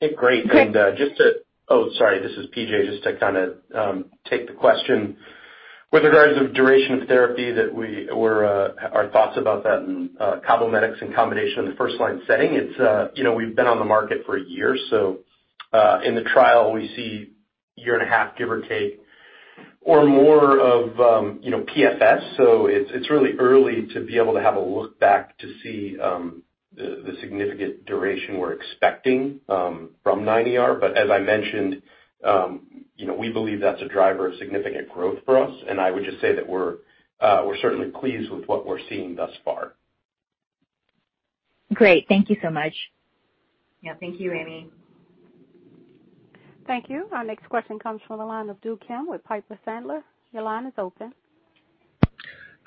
Okay. Great. Sorry, this is PJ. Just to kind of take the question. With regards to duration of therapy that we're our thoughts about that and CABOMETYX in combination in the first-line setting, it's you know, we've been on the market for a year, so in the trial we see a year and a half, give or take or more of you know, PFS. So it's really early to be able to have a look back to see the significant duration we're expecting from CheckMate 9ER. But as I mentioned, you know, we believe that's a driver of significant growth for us. I would just say that we're certainly pleased with what we're seeing thus far. Great. Thank you so much. Yeah. Thank you, Amy. Thank you. Our next question comes from the line of Do Kim with Piper Sandler. Your line is open.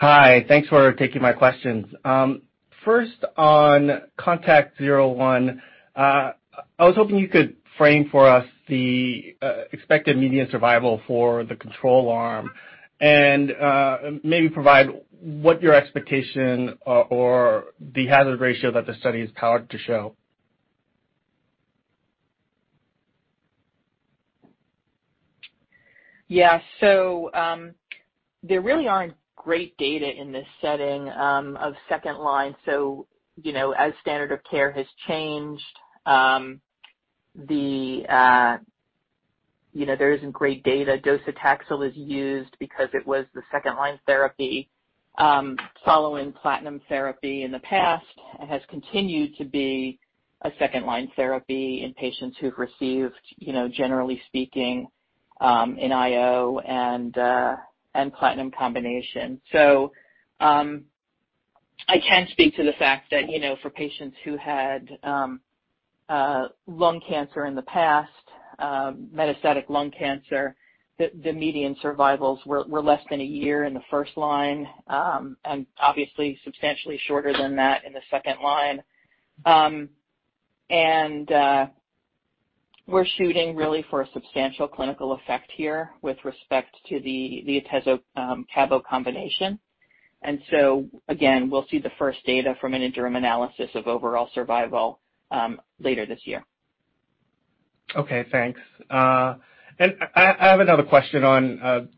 Hi. Thanks for taking my questions. First on CONTACT-01, I was hoping you could frame for us the expected median survival for the control arm and maybe provide what your expectation or the hazard ratio that the study is powered to show. There really aren't great data in this setting of second line. You know, as standard of care has changed, you know, there isn't great data. Docetaxel is used because it was the second line therapy following platinum therapy in the past and has continued to be a second line therapy in patients who've received, you know, generally speaking, IO and platinum combination. I can speak to the fact that, you know, for patients who had lung cancer in the past, metastatic lung cancer, the median survivals were less than a year in the first line, and obviously substantially shorter than that in the second line. We're shooting really for a substantial clinical effect here with respect to the atezo/cabo combination. Again, we'll see the first data from an interim analysis of overall survival later this year. Okay, thanks. I have another question on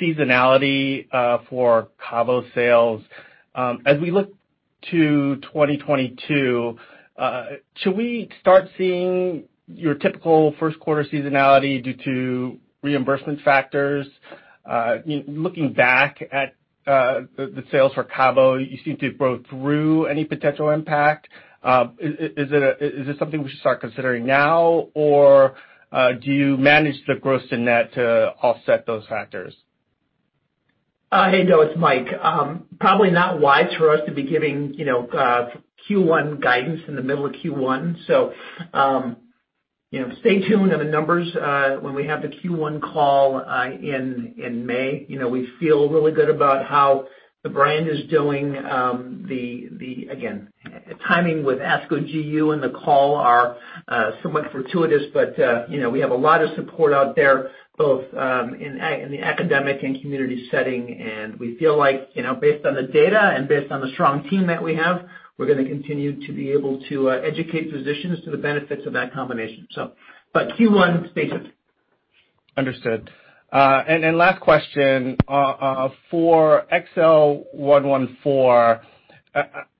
seasonality for cabo sales. As we look to 2022, should we start seeing your typical first quarter seasonality due to reimbursement factors? Looking back at the sales for cabo, you seem to have broke through any potential impact. Is this something we should start considering now? Or do you manage the gross and net to offset those factors? Hey, Do, it's Mike. Probably not wise for us to be giving, you know, Q1 guidance in the middle of Q1. You know, stay tuned on the numbers when we have the Q1 call in May. You know, we feel really good about how the brand is doing. Again, the timing with ASCO GU and the call are somewhat fortuitous, but you know, we have a lot of support out there, both in the academic and community setting. We feel like, you know, based on the data and based on the strong team that we have, we're gonna continue to be able to educate physicians to the benefits of that combination. Q1, stay tuned. Understood. Last question. For XL114,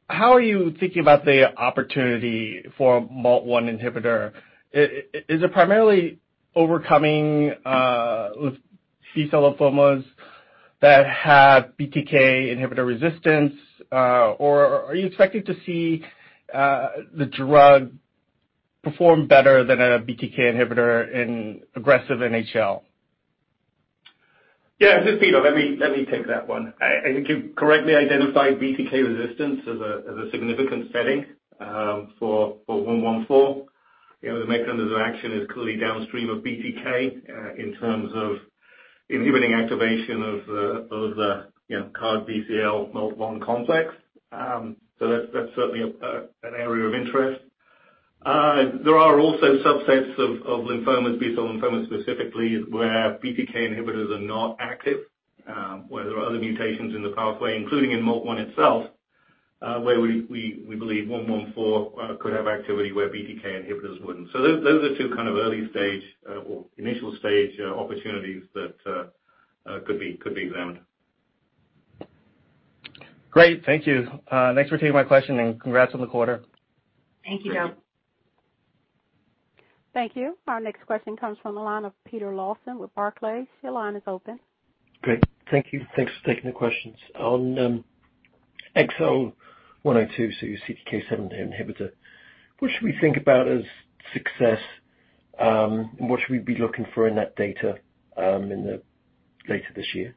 how are you thinking about the opportunity for a MALT1 inhibitor? Is it primarily overcoming T-cell lymphomas that have BTK inhibitor resistance? Or are you expecting to see the drug perform better than a BTK inhibitor in aggressive NHL? Yeah. This is... Let me take that one. I think you correctly identified BTK resistance as a significant setting for 114. You know, the mechanism of action is clearly downstream of BTK in terms of inhibiting activation of CARD11-BCL10-MALT1 complex. That's certainly an area of interest. There are also subsets of lymphomas, B-cell lymphomas specifically, where BTK inhibitors are not active, where there are other mutations in the pathway, including in MALT1 itself, where we believe 114 could have activity where BTK inhibitors wouldn't. Those are two kind of early stage or initial stage opportunities that could be examined. Great. Thank you. Thanks for taking my question, and congrats on the quarter. Thank you, Do. Thank you. Thank you. Our next question comes from the line of Peter Lawson with Barclays. Your line is open. Great. Thank you. Thanks for taking the questions. On XL102, so your CDK7 inhibitor, what should we think about as success? And what should we be looking for in that data later this year?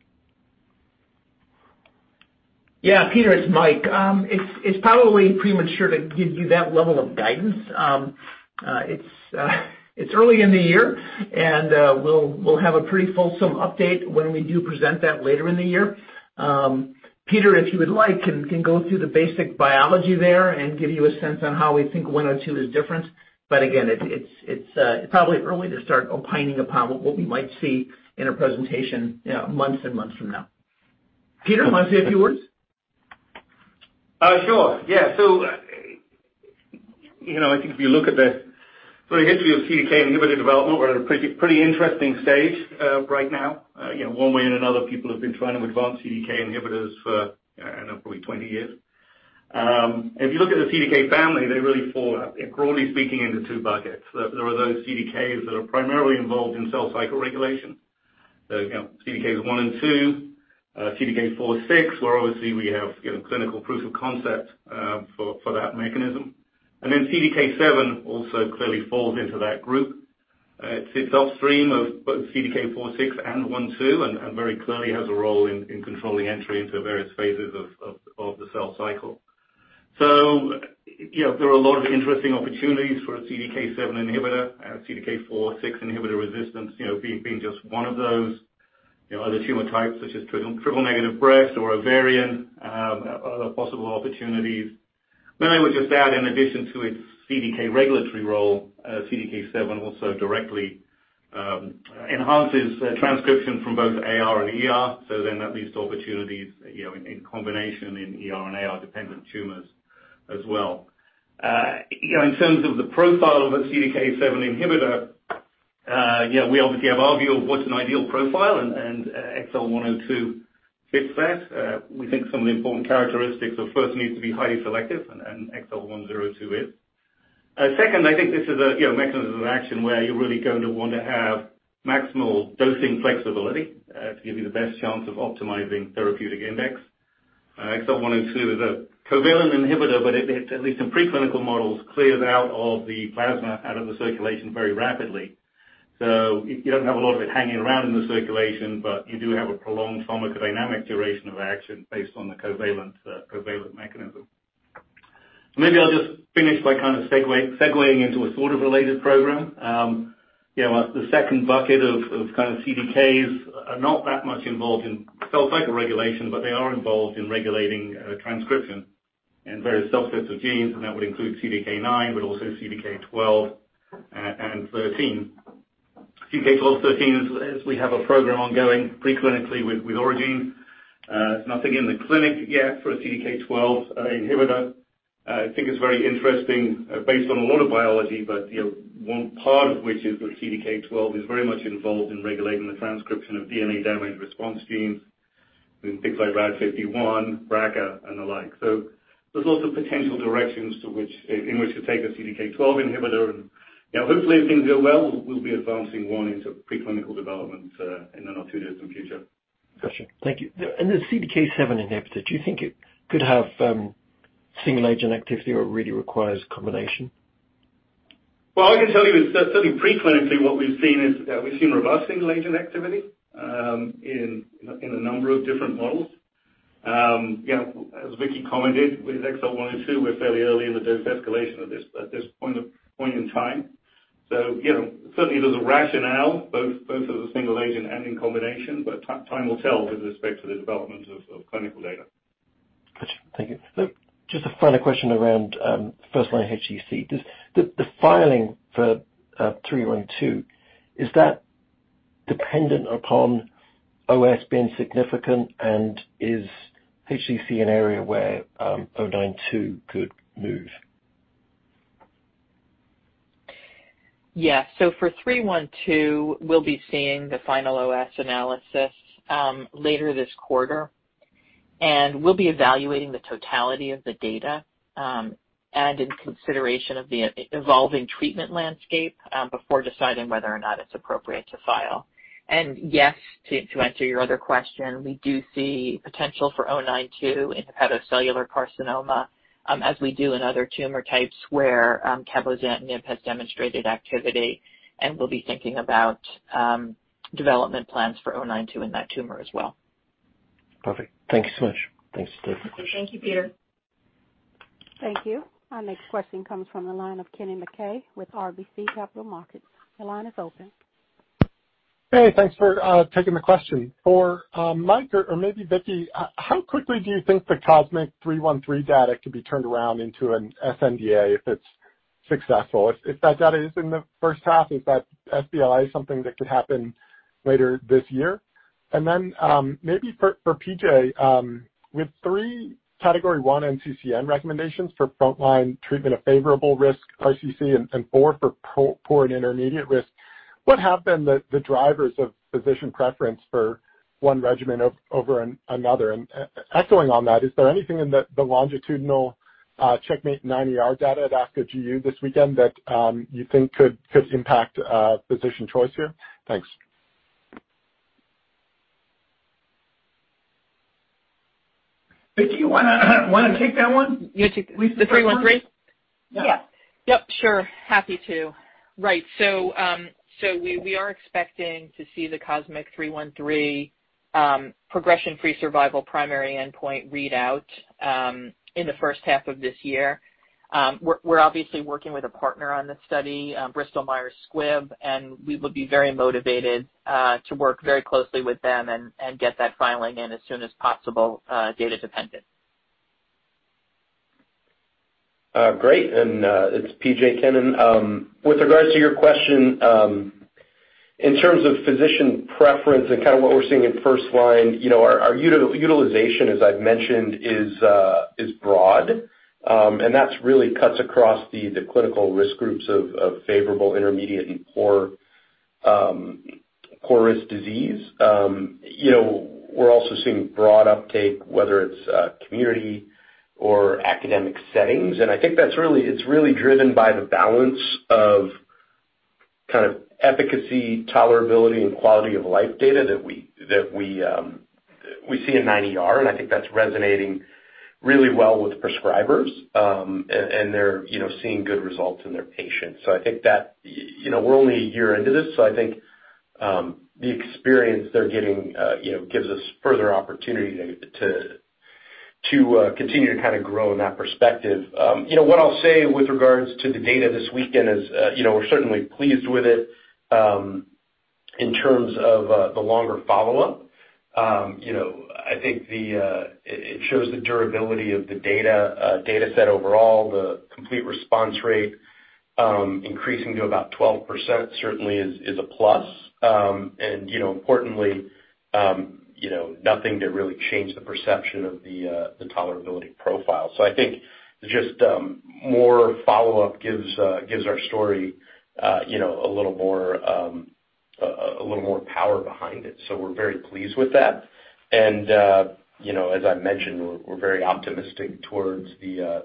Yeah. Peter, it's Mike. It's probably premature to give you that level of guidance. It's early in the year, and we'll have a pretty fulsome update when we do present that later in the year. Peter, if you would like, Peter can go through the basic biology there and give you a sense on how we think XL102 is different. But again, it's probably early to start opining upon what we might see in a presentation, you know, months and months from now. Peter, want to say a few words? Sure. Yeah. You know, I think if you look at the sort of history of CDK inhibitor development, we're at a pretty interesting stage right now. You know, one way or another, people have been trying to advance CDK inhibitors for, I don't know, probably 20 years. If you look at the CDK family, they really fall, broadly speaking, into two buckets. There are those CDKs that are primarily involved in cell cycle regulation. You know, CDK 1 and 2, CDK 4, 6, where obviously we have, you know, clinical proof of concept for that mechanism. Then CDK 7 also clearly falls into that group. It sits upstream of both CDK 4/6 and 1/2, and very clearly has a role in controlling entry into various phases of the cell cycle. You know, there are a lot of interesting opportunities for a CDK7 inhibitor. CDK4/6 inhibitor resistance, you know, being just one of those. You know, other tumor types such as triple negative breast or ovarian are other possible opportunities. I would just add, in addition to its CDK regulatory role, CDK7 also directly enhances transcription from both AR and ER. That leads to opportunities, you know, in combination in ER- and AR-dependent tumors as well. You know, in terms of the profile of a CDK7 inhibitor, you know, we obviously have our view of what's an ideal profile and XL102 fits that. We think some of the important characteristics are first, it needs to be highly selective, and XL102 is. Second, I think this is a, you know, mechanism of action where you're really going to want to have maximal dosing flexibility to give you the best chance of optimizing therapeutic index. XL102 is a covalent inhibitor, but it, at least in preclinical models, clears out of the plasma, out of the circulation very rapidly. So you don't have a lot of it hanging around in the circulation, but you do have a prolonged pharmacodynamic duration of action based on the covalent mechanism. So maybe I'll just finish by kind of segueing into a sort of related program. You know, the second bucket of kind of CDKs are not that much involved in cell cycle regulation, but they are involved in regulating transcription in various subsets of genes, and that would include CDK9, but also CDK12 and thirteen. CDK12/13 is we have a program ongoing preclinically with Aurigene. Nothing in the clinic yet for a CDK12 inhibitor. I think it's very interesting based on a lot of biology, but you know, one part of which is that CDK12 is very much involved in regulating the transcription of DNA damage response genes with things like RAD51, BRCA, and the like. So there's lots of potential directions to which in which to take a CDK12 inhibitor and you know, hopefully, if things go well, we'll be advancing one into preclinical development in the not-too-distant future. Gotcha. Thank you. The CDK7 inhibitor, do you think it could have single agent activity or really requires combination? Well, all I can tell you is that certainly preclinically, what we've seen is, we've seen robust single agent activity in a number of different models. You know, as Vicky commented with EXO one and two, we're fairly early in the dose escalation of this at this point in time. You know, certainly there's a rationale both as a single agent and in combination, but time will tell with respect to the development of clinical data. Gotcha. Thank you. Just a final question around first-line HCC. Does the filing for COSMIC-312, is that dependent upon OS being significant, and is HCC an area where XL092 could move? Yeah. For COSMIC-312, we'll be seeing the final OS analysis later this quarter. We'll be evaluating the totality of the data and in consideration of the evolving treatment landscape before deciding whether or not it's appropriate to file. Yes, to answer your other question, we do see potential for XL092 in hepatocellular carcinoma, as we do in other tumor types where cabozantinib has demonstrated activity, and we'll be thinking about development plans for XL092 in that tumor as well. Perfect. Thank you so much. Thanks. Thank you, Peter. Thank you. Our next question comes from the line of Kennen MacKay with RBC Capital Markets. Your line is open. Hey, thanks for taking the question. For Mike or maybe Vicky, how quickly do you think the COSMIC-313 data could be turned around into an sNDA if it's successful? If that data is in the first half, is that sBLA something that could happen later this year? Maybe for PJ, with three category one NCCN recommendations for frontline treatment of favorable risk RCC and four for poor and intermediate risk, what have been the drivers of physician preference for one regimen over another? Echoing on that, is there anything in the longitudinal CheckMate-9ER data at ASCO GU this weekend that you think could impact physician choice here? Thanks. Vicki, you wanna take that one? You take the 313? Yeah. Yeah. Yep, sure. Happy to. Right. We are expecting to see the COSMIC-313 progression-free survival primary endpoint readout in the first half of this year. We're obviously working with a partner on this study, Bristol Myers Squibb, and we would be very motivated to work very closely with them and get that filing in as soon as possible, data dependent. Great. It's P.J. Kennen. With regards to your question, in terms of physician preference and kind of what we're seeing in first line, you know, our utilization, as I've mentioned, is broad, and that really cuts across the clinical risk groups of favorable, intermediate, and poor risk disease. You know, we're also seeing broad uptake, whether it's community or academic settings. I think that's really driven by the balance of kind of efficacy, tolerability, and quality-of-life data that we see in 9ER, and I think that's resonating really well with prescribers. And they're, you know, seeing good results in their patients. I think that, you know, we're only a year into this, so I think the experience they're getting, you know, gives us further opportunity to continue to kind of grow in that perspective. You know, what I'll say with regards to the data this weekend is, you know, we're certainly pleased with it in terms of the longer follow-up. You know, I think it shows the durability of the data set overall, the complete response rate increasing to about 12% certainly is a plus. You know, importantly, you know, nothing to really change the perception of the tolerability profile. I think just more follow-up gives our story, you know, a little more power behind it. We're very pleased with that. You know, as I mentioned, we're very optimistic towards the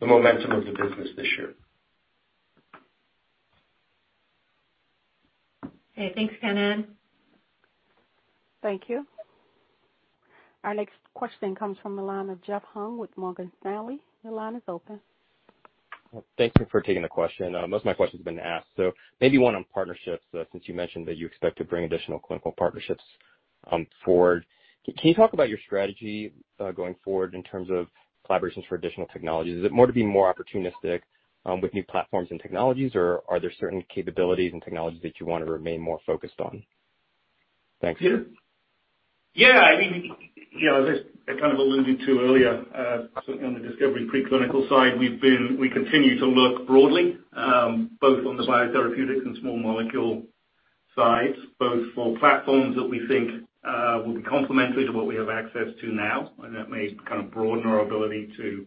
momentum of the business this year. Okay. Thanks, Kennen. Thank you. Our next question comes from the line of Jeff Hung with Morgan Stanley. Your line is open. Thank you for taking the question. Most of my question's been asked, so maybe one on partnerships, since you mentioned that you expect to bring additional clinical partnerships forward. Can you talk about your strategy going forward in terms of collaborations for additional technologies? Is it more opportunistic with new platforms and technologies, or are there certain capabilities and technologies that you want to remain more focused on? Thanks. Yeah, I mean, you know, as I kind of alluded to earlier, certainly on the discovery preclinical side, we continue to look broadly, both on the biotherapeutics and small molecule sides, both for platforms that we think will be complementary to what we have access to now, and that may kind of broaden our ability to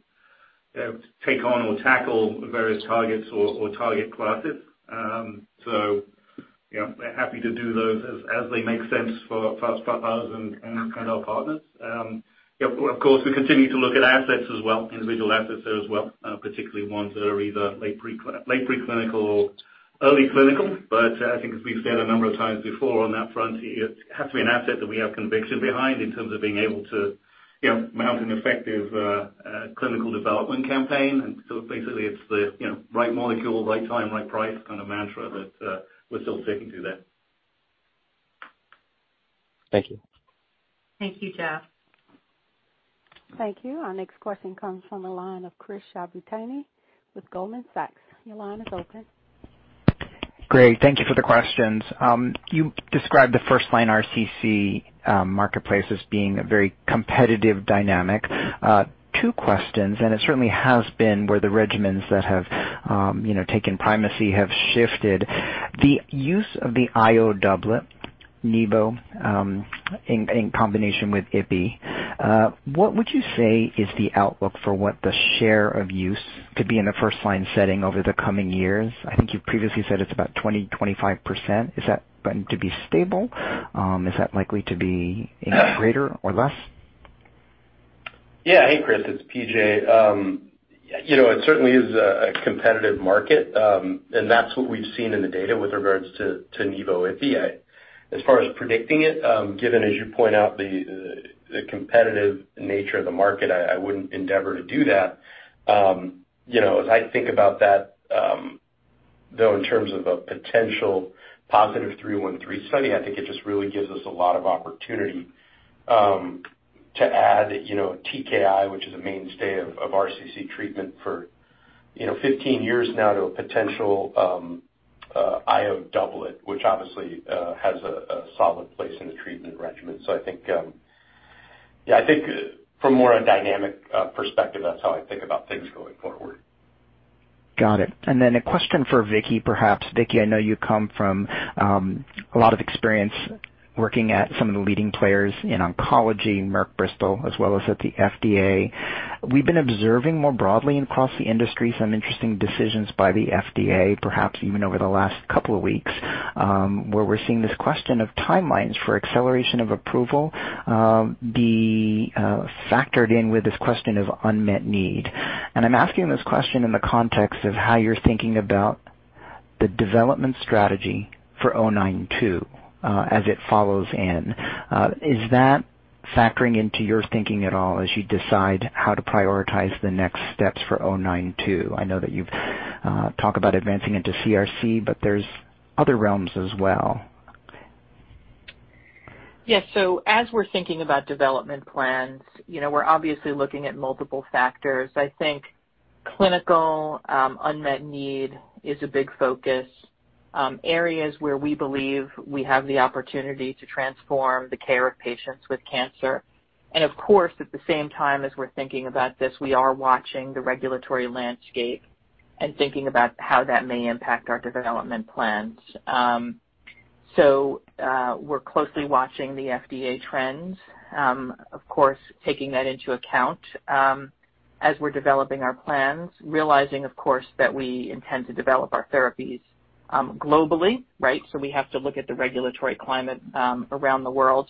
take on or tackle various targets or target classes. So, you know, we're happy to do those as they make sense for us and our partners. Yeah, of course, we continue to look at assets as well, individual assets there as well, particularly ones that are either late preclinical or early clinical. I think as we've said a number of times before on that front, it has to be an asset that we have conviction behind in terms of being able to, you know, mount an effective clinical development campaign. Basically it's the, you know, right molecule, right time, right price kind of mantra that we're still sticking to there. Thank you. Thank you, Jeff. Thank you. Our next question comes from the line of Chris Shibutani with Goldman Sachs. Your line is open. Great. Thank you for the questions. You described the first line RCC marketplace as being a very competitive dynamic. Two questions, it certainly has been where the regimens that have taken primacy have shifted. The use of the IO doublet, nivo, in combination with ipi, what would you say is the outlook for what the share of use could be in a first line setting over the coming years? I think you've previously said it's about 20%-25%. Is that going to be stable? Is that likely to be any greater or less? Yeah. Hey, Chris, it's P.J. You know, it certainly is a competitive market, and that's what we've seen in the data with regards to nivo/ipi. As far as predicting it, given, as you point out, the competitive nature of the market, I wouldn't endeavor to do that. You know, as I think about that, though, in terms of a potential positive COSMIC-313 study, I think it just really gives us a lot of opportunity to add, you know, TKI, which is a mainstay of RCC treatment for 15 years now to a potential IO doublet, which obviously has a solid place in the treatment regimen. I think from a more dynamic perspective, that's how I think about things going forward. Got it. Then a question for Vicki perhaps. Vicki, I know you come from a lot of experience working at some of the leading players in oncology, Merck, Bristol Myers Squibb, as well as at the FDA. We've been observing more broadly across the industry some interesting decisions by the FDA, perhaps even over the last couple of weeks, where we're seeing this question of timelines for accelerated approval be factored in with this question of unmet need. I'm asking this question in the context of how you're thinking about the development strategy for XL092 as it follows in. Is that factoring into your thinking at all as you decide how to prioritize the next steps for XL092? I know that you've talked about advancing into CRC, but there's other realms as well. Yes. As we're thinking about development plans, you know, we're obviously looking at multiple factors. I think clinical unmet need is a big focus, areas where we believe we have the opportunity to transform the care of patients with cancer. Of course, at the same time as we're thinking about this, we are watching the regulatory landscape and thinking about how that may impact our development plans. We're closely watching the FDA trends, of course, taking that into account, as we're developing our plans, realizing, of course, that we intend to develop our therapies globally, right? We have to look at the regulatory climate around the world.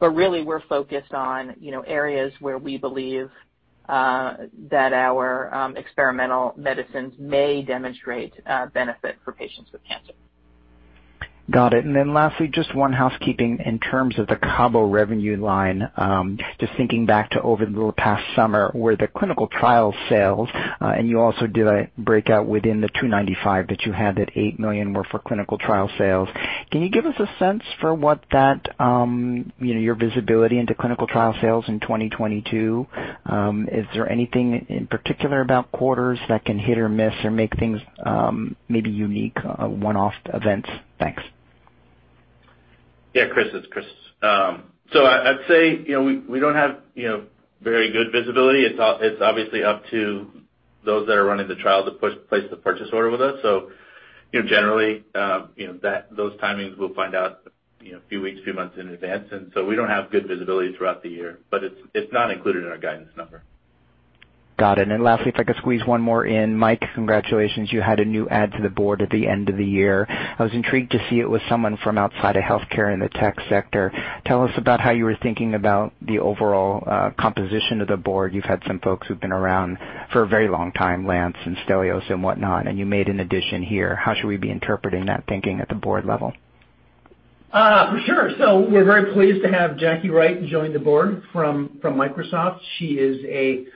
Really, we're focused on, you know, areas where we believe that our experimental medicines may demonstrate benefit for patients with cancer. Got it. Lastly, just one housekeeping in terms of the Cabo revenue line. Just thinking back to over the past summer where the clinical trial sales, and you also did a breakout within the $295 million that you had, that $8 million were for clinical trial sales. Can you give us a sense for what that, you know, your visibility into clinical trial sales in 2022? Is there anything in particular about quarters that can hit or miss or make things, maybe unique, one-off events? Thanks. Yeah, Chris, it's Chris. I'd say, you know, we don't have, you know, very good visibility. It's obviously up to those that are running the trial to place the purchase order with us. You know, generally, you know, those timings we'll find out, you know, a few weeks, few months in advance, and we don't have good visibility throughout the year, but it's not included in our guidance number. Got it. Lastly, if I could squeeze one more in. Mike, congratulations. You had a new add to the board at the end of the year. I was intrigued to see it was someone from outside of healthcare in the tech sector. Tell us about how you were thinking about the overall composition of the board. You've had some folks who've been around for a very long time, Lance and Stelios and whatnot, and you made an addition here. How should we be interpreting that thinking at the board level? For sure. We're very pleased to have Jacqueline Wright join the board from Microsoft. She is a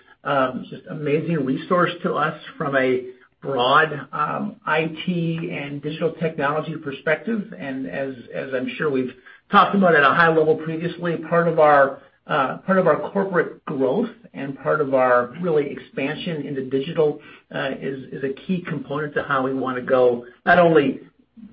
just amazing resource to us from a broad IT and digital technology perspective. As I'm sure we've talked about at a high level previously, part of our corporate growth and part of our really expansion into digital is a key component to how we wanna go not only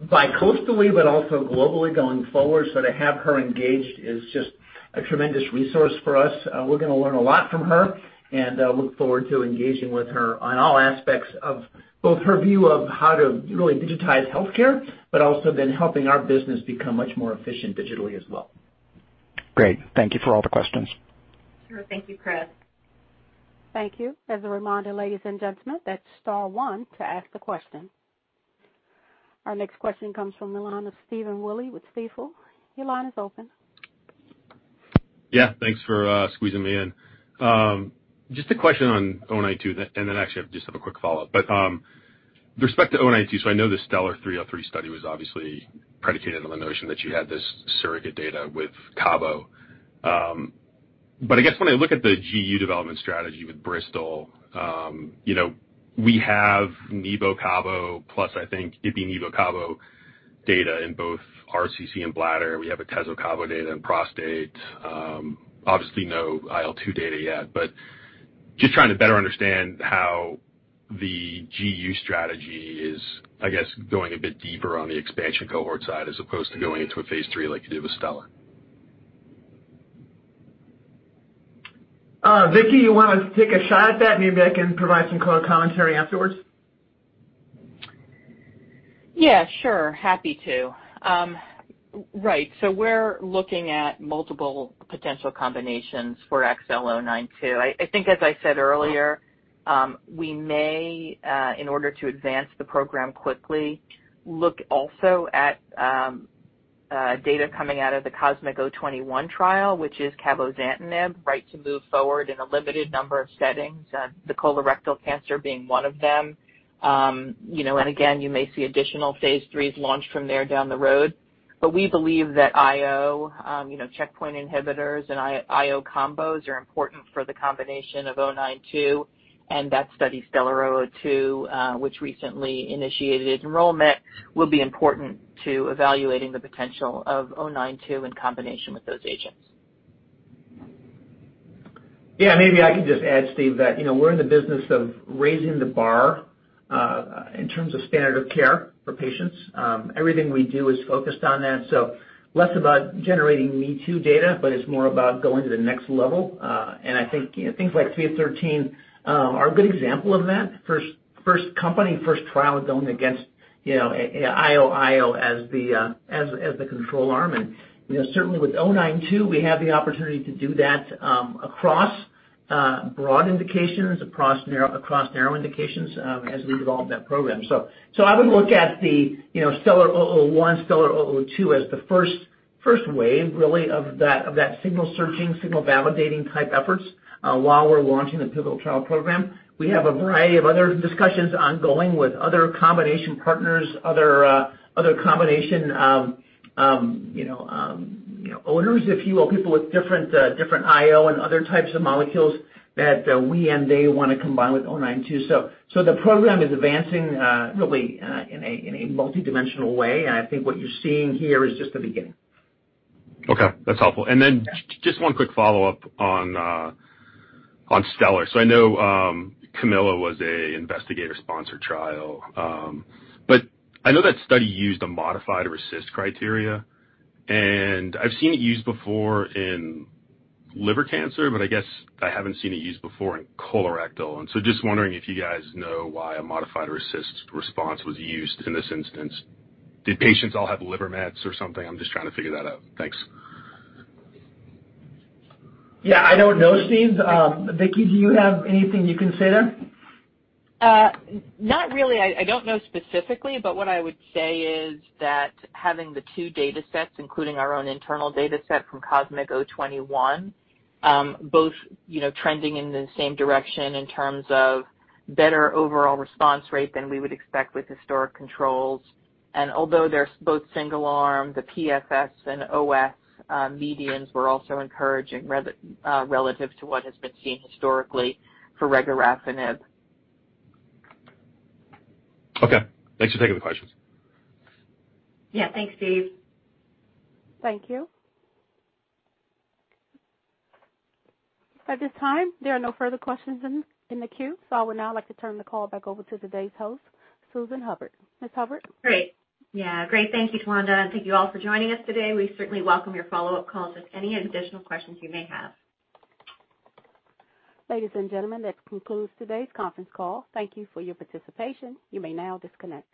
bi-coastally, but also globally going forward. To have her engaged is just a tremendous resource for us. We're gonna learn a lot from her, and I look forward to engaging with her on all aspects of both her view of how to really digitize healthcare, but also then helping our business become much more efficient digitally as well. Great. Thank you for all the questions. Sure. Thank you, Chris. Thank you. As a reminder, ladies and gentlemen, that's star one to ask the question. Our next question comes from the line of Stephen Willey with Stifel. Your line is open. Yeah, thanks for squeezing me in. Just a question on XL092, and then actually I just have a quick follow-up. With respect to XL092, so I know the STELLAR-303 study was obviously predicated on the notion that you had this surrogate data with cabo. I guess when I look at the GU development strategy with Bristol, you know, we have nivo/cabo plus, I think, ipi/nivo/cabo data in both RCC and bladder. We have atezo/cabo data in prostate. Obviously no IL-2 data yet. Just trying to better understand how the GU strategy is, I guess, going a bit deeper on the expansion cohort side as opposed to going into a phase III like you did with STELLAR. Vicki, you wanna take a shot at that? Maybe I can provide some co-commentary afterwards. Yeah, sure. Happy to. Right. We're looking at multiple potential combinations for XL092. I think as I said earlier, we may, in order to advance the program quickly, look also at data coming out of the COSMIC-021 trial, which is cabozantinib, right, to move forward in a limited number of settings, the colorectal cancer being one of them. You know, again, you may see additional phase IIIs launched from there down the road. We believe that IO, you know, checkpoint inhibitors and IO-IO combos are important for the combination of O nine two, and that study, STELLAR-002, which recently initiated enrollment, will be important to evaluating the potential of O nine two in combination with those agents. Yeah, maybe I can just add, Steve, that, you know, we're in the business of raising the bar in terms of standard of care for patients. Everything we do is focused on that. Less about generating me-too data, but it's more about going to the next level. I think, you know, things like COSMIC-313 are a good example of that. First company, first trial going against, you know, an IO/IO as the control arm. You know, certainly with XL092, we have the opportunity to do that across broad indications, across narrow indications as we develop that program. I would look at the, you know, STELLAR-001, STELLAR-002 as the first wave really of that signal-searching, signal-validating type efforts while we're launching the pivotal trial program. We have a variety of other discussions ongoing with other combination partners, other combination owners, if you will, people with different IO and other types of molecules that we and they wanna combine with XL092. The program is advancing really in a multidimensional way, and I think what you're seeing here is just the beginning. Okay. That's helpful. Yeah. Just one quick follow-up on STELLAR. I know CAMILLA was an investigator-sponsored trial. I know that study used a modified RECIST criteria. I've seen it used before in liver cancer, but I guess I haven't seen it used before in colorectal. Just wondering if you guys know why a modified RECIST response was used in this instance. Did patients all have liver mets or something? I'm just trying to figure that out. Thanks. Yeah, I don't know, Steve. Vicki, do you have anything you can say there? Not really. I don't know specifically, but what I would say is that having the two datasets, including our own internal dataset from COSMIC-021, both you know trending in the same direction in terms of better overall response rate than we would expect with historical controls. Although they're both single arm, the PFS and OS medians were also encouraging relative to what has been seen historically for regorafenib. Okay. Thanks for taking the questions. Yeah. Thanks, Steve. Thank you. At this time, there are no further questions in the queue, so I would now like to turn the call back over to today's host, Susan Hubbard. Ms. Hubbard? Great. Yeah. Great, thank you, Towanda, and thank you all for joining us today. We certainly welcome your follow-up calls with any additional questions you may have. Ladies and gentlemen, that concludes today's conference call. Thank you for your participation. You may now disconnect.